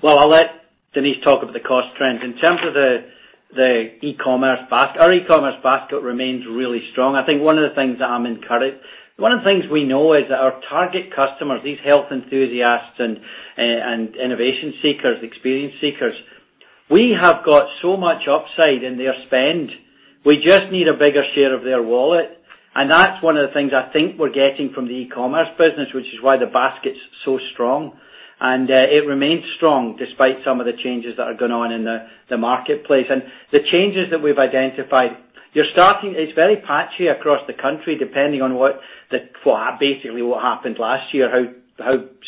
Well, I'll let Denise talk about the cost trends. In terms of the e-commerce basket, our e-commerce basket remains really strong. I think one of the things we know is that our target customers, these health enthusiasts and innovation seekers, experience seekers, we have got so much upside in their spend. We just need a bigger share of their wallet. That's one of the things I think we're getting from the e-commerce business, which is why the basket's so strong. It remains strong despite some of the changes that are going on in the marketplace. The changes that we've identified, it's very patchy across the country, depending on basically what happened last year, how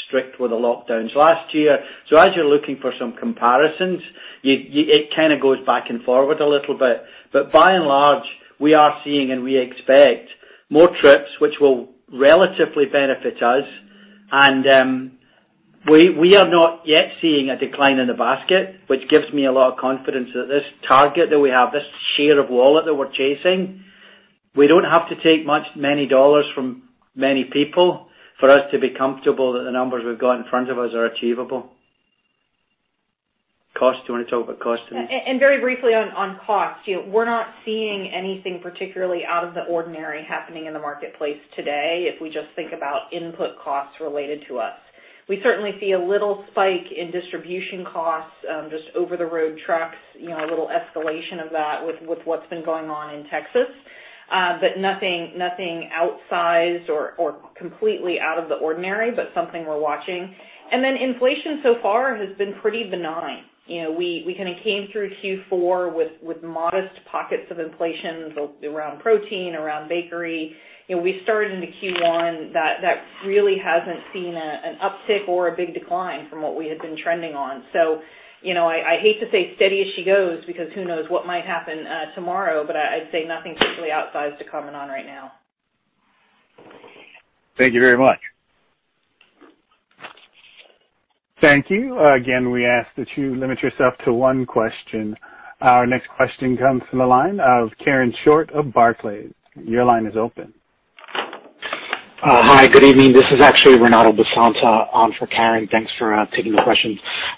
strict were the lockdowns last year. As you're looking for some comparisons, it kind of goes back and forward a little bit. By and large, we are seeing and we expect more trips, which will relatively benefit us. We are not yet seeing a decline in the basket, which gives me a lot of confidence that this target that we have, this share of wallet that we're chasing, we don't have to take many dollars from many people for us to be comfortable that the numbers we've got in front of us are achievable. Cost, do you want to talk about cost, Denise? Very briefly on cost, we're not seeing anything particularly out of the ordinary happening in the marketplace today, if we just think about input costs related to us. We certainly see a little spike in distribution costs, just over the road trucks, a little escalation of that with what's been going on in Texas. Nothing outsized or completely out of the ordinary, but something we're watching. Inflation so far has been pretty benign. We kind of came through Q4 with modest pockets of inflation around protein, around bakery. We started into Q1, that really hasn't seen an uptick or a big decline from what we had been trending on. I hate to say steady as she goes because who knows what might happen tomorrow, but I'd say nothing particularly outsized to comment on right now. Thank you very much. Thank you. Again, we ask that you limit yourself to one question. Our next question comes from the line of Karen Short of Barclays. Your line is open. Hi. Good evening. This is actually Renato Basanta on for Karen. Thanks for taking the question.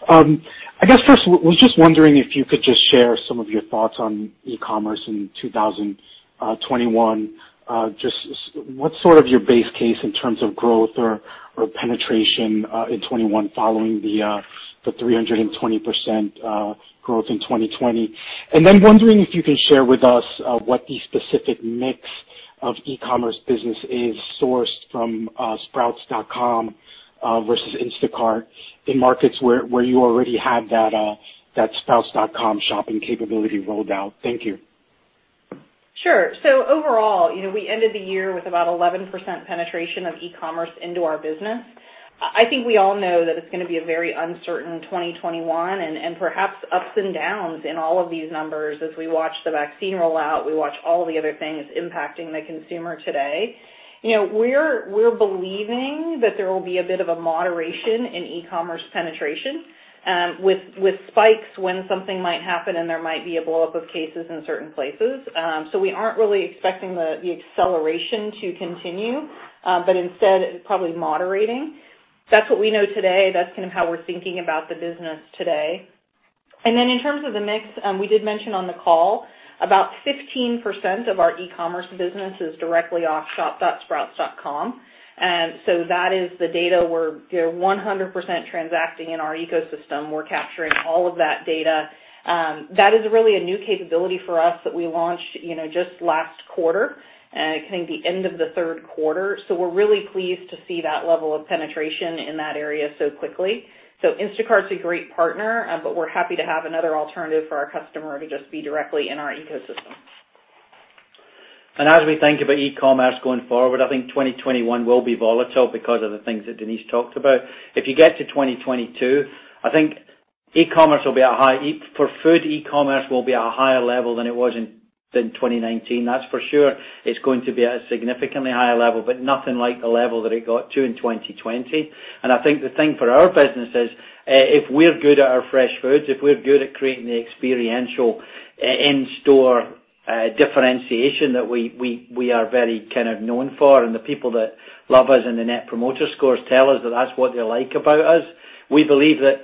I guess first, was just wondering if you could just share some of your thoughts on e-commerce in 2021. Just what's sort of your base case in terms of growth or penetration in 2021 following the 320% growth in 2020? Wondering if you can share with us what the specific mix of e-commerce business is sourced from sprouts.com versus Instacart in markets where you already have that sprouts.com shopping capability rolled out. Thank you. Sure. Overall, we ended the year with about 11% penetration of e-commerce into our business. I think we all know that it's going to be a very uncertain 2021 and perhaps ups and downs in all of these numbers as we watch the vaccine roll out, we watch all the other things impacting the consumer today. We're believing that there will be a bit of a moderation in e-commerce penetration, with spikes when something might happen and there might be a blow up of cases in certain places. We aren't really expecting the acceleration to continue, but instead probably moderating. That's what we know today. That's kind of how we're thinking about the business today. In terms of the mix, we did mention on the call, about 16% of our e-commerce business is directly off shop.sprouts.com. That is the data where they're 100% transacting in our ecosystem. We're capturing all of that data. That is really a new capability for us that we launched just last quarter, I think the end of the third quarter. We're really pleased to see that level of penetration in that area so quickly. Instacart's a great partner, but we're happy to have another alternative for our customer to just be directly in our ecosystem. As we think about e-commerce going forward, I think 2021 will be volatile because of the things that Denise talked about. If you get to 2022, I think for food, e-commerce will be at a higher level than it was in 2019. That's for sure. It's going to be at a significantly higher level, but nothing like the level that it got to in 2020. I think the thing for our business is, if we're good at our fresh foods, if we're good at creating the experiential in-store differentiation that we are very kind of known for, and the people that love us in the Net Promoter Score tell us that that's what they like about us. We believe that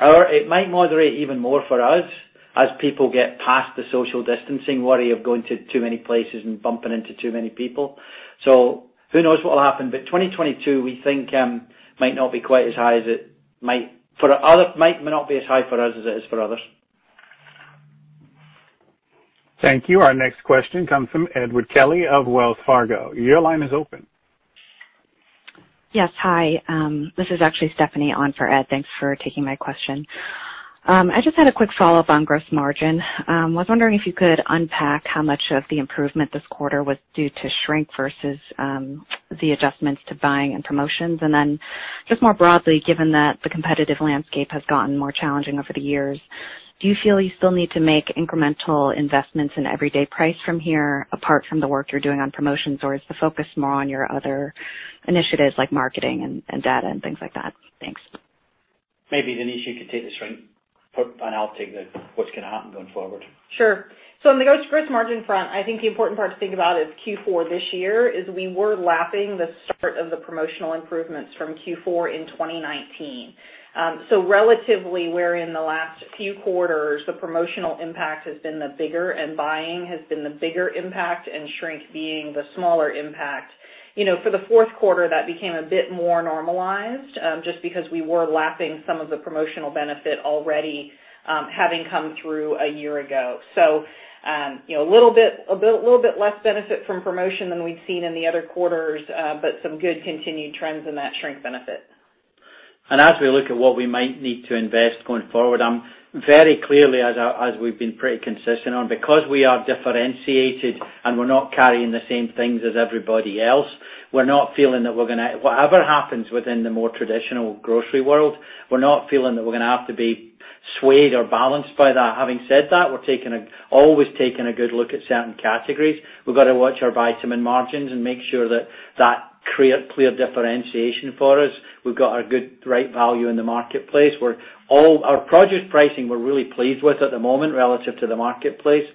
it might moderate even more for us as people get past the social distancing worry of going to too many places and bumping into too many people. Who knows what will happen, but 2022, we think might not be as high for us as it is for others. Thank you. Our next question comes from Edward Kelly of Wells Fargo. Your line is open. Yes. Hi. This is actually Stephanie on for Ed. Thanks for taking my question. I just had a quick follow-up on gross margin. I was wondering if you could unpack how much of the improvement this quarter was due to shrink versus the adjustments to buying and promotions. Then just more broadly, given that the competitive landscape has gotten more challenging over the years, do you feel you still need to make incremental investments in everyday price from here apart from the work you're doing on promotions, or is the focus more on your other initiatives like marketing and data and things like that? Thanks. Maybe Denise, you could take the shrink, and I'll take the what's going to happen going forward. Sure. On the gross margin front, I think the important part to think about is Q4 this year is we were lapping the start of the promotional improvements from Q4 in 2019. Relatively wherein the last few quarters, the promotional impact has been the bigger, and buying has been the bigger impact, and shrink being the smaller impact. For the fourth quarter, that became a bit more normalized, just because we were lapping some of the promotional benefit already having come through a year ago. A little bit less benefit from promotion than we've seen in the other quarters, but some good continued trends in that shrink benefit. As we look at what we might need to invest going forward, very clearly as we've been pretty consistent on, because we are differentiated and we're not carrying the same things as everybody else, whatever happens within the more traditional grocery world, we're not feeling that we're going to have to be swayed or balanced by that. Having said that, we're always taking a good look at certain categories. We've got to watch our vitamin margins and make sure that creates clear differentiation for us. We've got our good right value in the marketplace, where all our produce pricing we're really pleased with at the moment relative to the marketplace.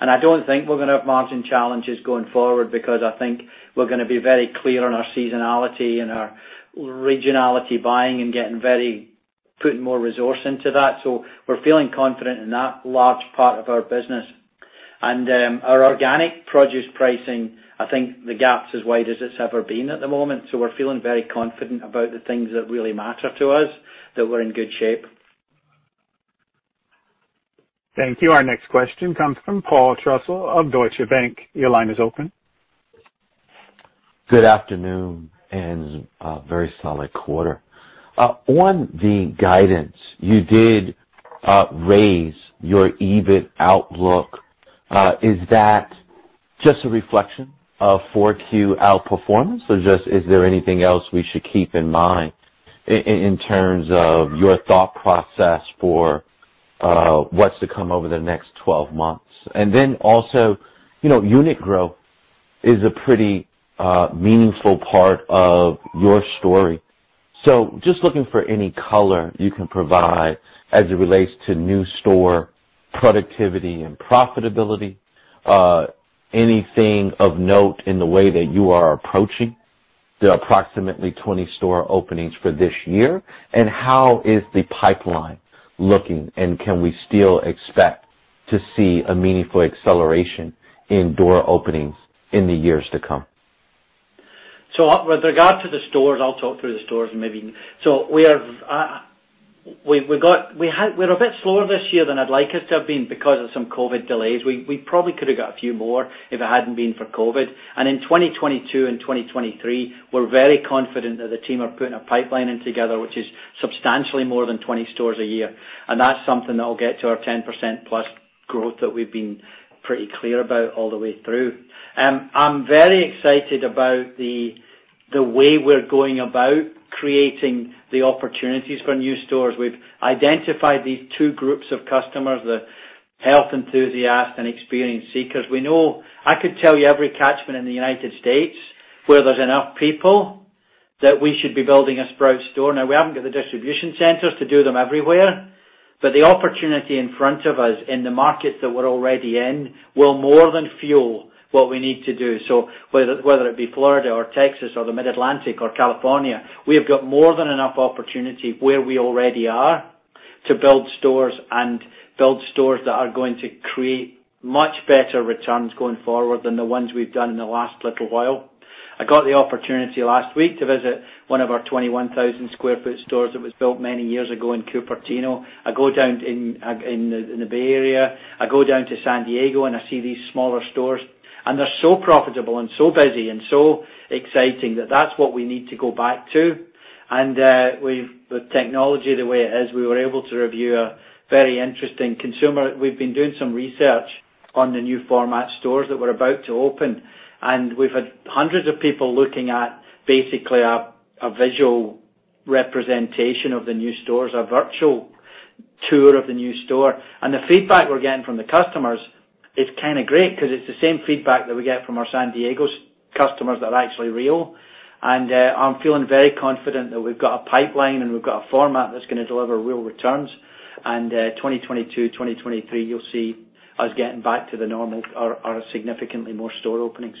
I don't think we're going to have margin challenges going forward because I think we're going to be very clear on our seasonality and our regionality buying and putting more resource into that. We're feeling confident in that large part of our business. Our organic produce pricing, I think the gap's as wide as it's ever been at the moment. We're feeling very confident about the things that really matter to us, that we're in good shape. Thank you. Our next question comes from Paul Trussell of Deutsche Bank. Your line is open. Good afternoon and a very solid quarter. On the guidance, you did raise your EBIT outlook. Is that just a reflection of 4Q outperformance or is there anything else we should keep in mind in terms of your thought process for what's to come over the next 12 months? Then also, unit growth is a pretty meaningful part of your story. Just looking for any color you can provide as it relates to new store productivity and profitability. Anything of note in the way that you are approaching the approximately 20 store openings for this year, and how is the pipeline looking, and can we still expect to see a meaningful acceleration in door openings in the years to come? With regard to the stores, I'll talk through the stores maybe. We're a bit slower this year than I'd like us to have been because of some COVID delays. We probably could have got a few more if it hadn't been for COVID. In 2022 and 2023, we're very confident that the team are putting a pipeline in together, which is substantially more than 20 stores a year. That's something that will get to our 10%+ growth that we've been pretty clear about all the way through. I'm very excited about the way we're going about creating the opportunities for new stores. We've identified these two groups of customers, the health enthusiast and experience seekers. I could tell you every catchment in the United States where there's enough people that we should be building a Sprouts store. We haven't got the distribution centers to do them everywhere, but the opportunity in front of us in the markets that we're already in will more than fuel what we need to do. Whether it be Florida or Texas or the Mid-Atlantic or California, we have got more than enough opportunity where we already are to build stores and build stores that are going to create much better returns going forward than the ones we've done in the last little while. I got the opportunity last week to visit one of our 21,000 sq ft stores that was built many years ago in Cupertino. I go down in the Bay Area, I go down to San Diego and I see these smaller stores, and they're so profitable and so busy and so exciting that that's what we need to go back to. With technology the way it is, we were able to review a very interesting consumer. We've been doing some research on the new format stores that we're about to open, and we've had hundreds of people looking at basically a visual representation of the new stores, a virtual tour of the new store. The feedback we're getting from the customers is kind of great because it's the same feedback that we get from our San Diego customers that are actually real. I'm feeling very confident that we've got a pipeline and we've got a format that's going to deliver real returns and 2022, 2023, you'll see us getting back to the normal or significantly more store openings.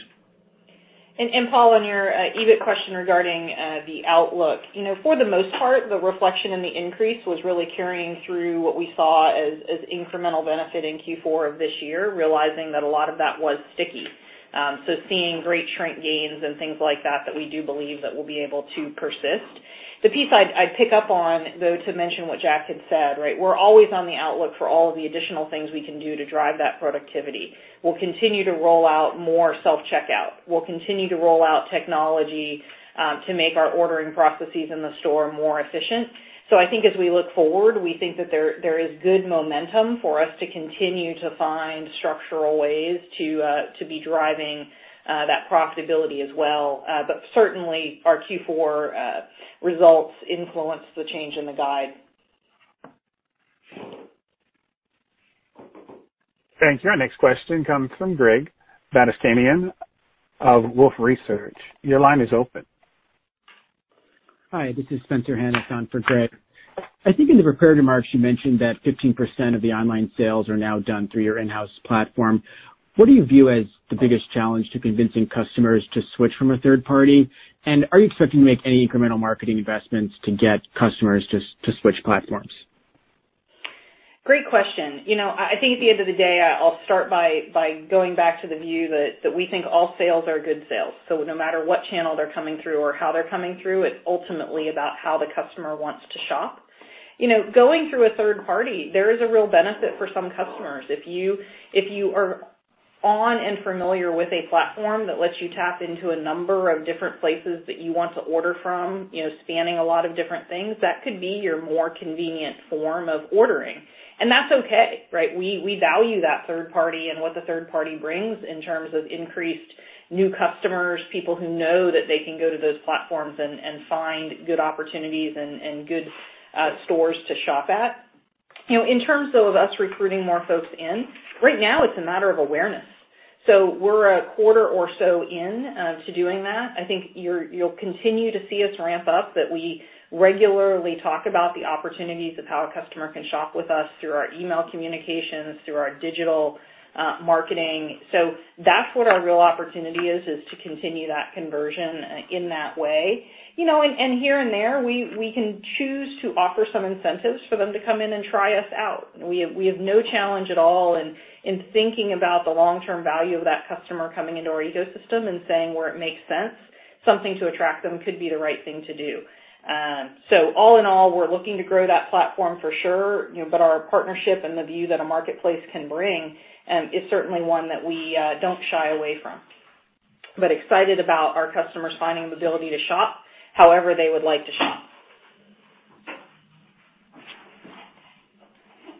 Paul, on your EBIT question regarding the outlook. For the most part, the reflection in the increase was really carrying through what we saw as incremental benefit in Q4 of this year, realizing that a lot of that was sticky. Seeing great shrink gains and things like that we do believe that we'll be able to persist. The piece I'd pick up on, though, to mention what Jack had said, we're always on the outlook for all of the additional things we can do to drive that productivity. We'll continue to roll out more self-checkout. We'll continue to roll out technology to make our ordering processes in the store more efficient. I think as we look forward, we think that there is good momentum for us to continue to find structural ways to be driving that profitability as well. Certainly, our Q4 results influence the change in the guide. Thank you. Our next question comes from Greg Badishkanian of Wolfe Research. Your line is open. Hi, this is Spencer Hanus on for Greg. I think in the prepared remarks, you mentioned that 15% of the online sales are now done through your in-house platform. What do you view as the biggest challenge to convincing customers to switch from a third party? Are you expecting to make any incremental marketing investments to get customers to switch platforms? Great question. I think at the end of the day, I'll start by going back to the view that we think all sales are good sales. No matter what channel they're coming through or how they're coming through, it's ultimately about how the customer wants to shop. Going through a third party, there is a real benefit for some customers. If you are on and familiar with a platform that lets you tap into a number of different places that you want to order from, spanning a lot of different things, that could be your more convenient form of ordering. That's okay. We value that third party and what the third party brings in terms of increased new customers, people who know that they can go to those platforms and find good opportunities and good stores to shop at. In terms, though, of us recruiting more folks in, right now it's a matter of awareness. We're a quarter or so in to doing that. I think you'll continue to see us ramp up, but we regularly talk about the opportunities of how a customer can shop with us through our email communications, through our digital marketing. That's what our real opportunity is to continue that conversion in that way. Here and there, we can choose to offer some incentives for them to come in and try us out. We have no challenge at all in thinking about the long-term value of that customer coming into our ecosystem and saying where it makes sense, something to attract them could be the right thing to do. All in all, we're looking to grow that platform for sure, but our partnership and the view that a marketplace can bring is certainly one that we don't shy away from. Excited about our customers finding the ability to shop however they would like to shop.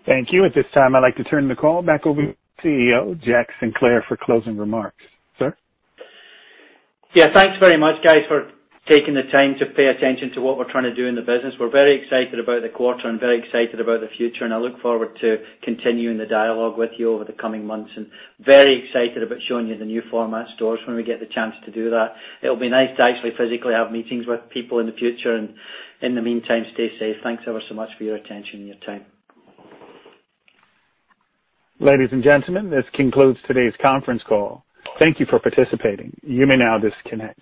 Thank you. At this time, I'd like to turn the call back over to CEO Jack Sinclair for closing remarks. Sir? Yeah, thanks very much, guys, for taking the time to pay attention to what we're trying to do in the business. We're very excited about the quarter and very excited about the future, and I look forward to continuing the dialogue with you over the coming months. Very excited about showing you the new format stores when we get the chance to do that. It'll be nice to actually physically have meetings with people in the future. In the meantime, stay safe. Thanks ever so much for your attention and your time. Ladies and gentlemen, this concludes today's conference call. Thank you for participating. You may now disconnect.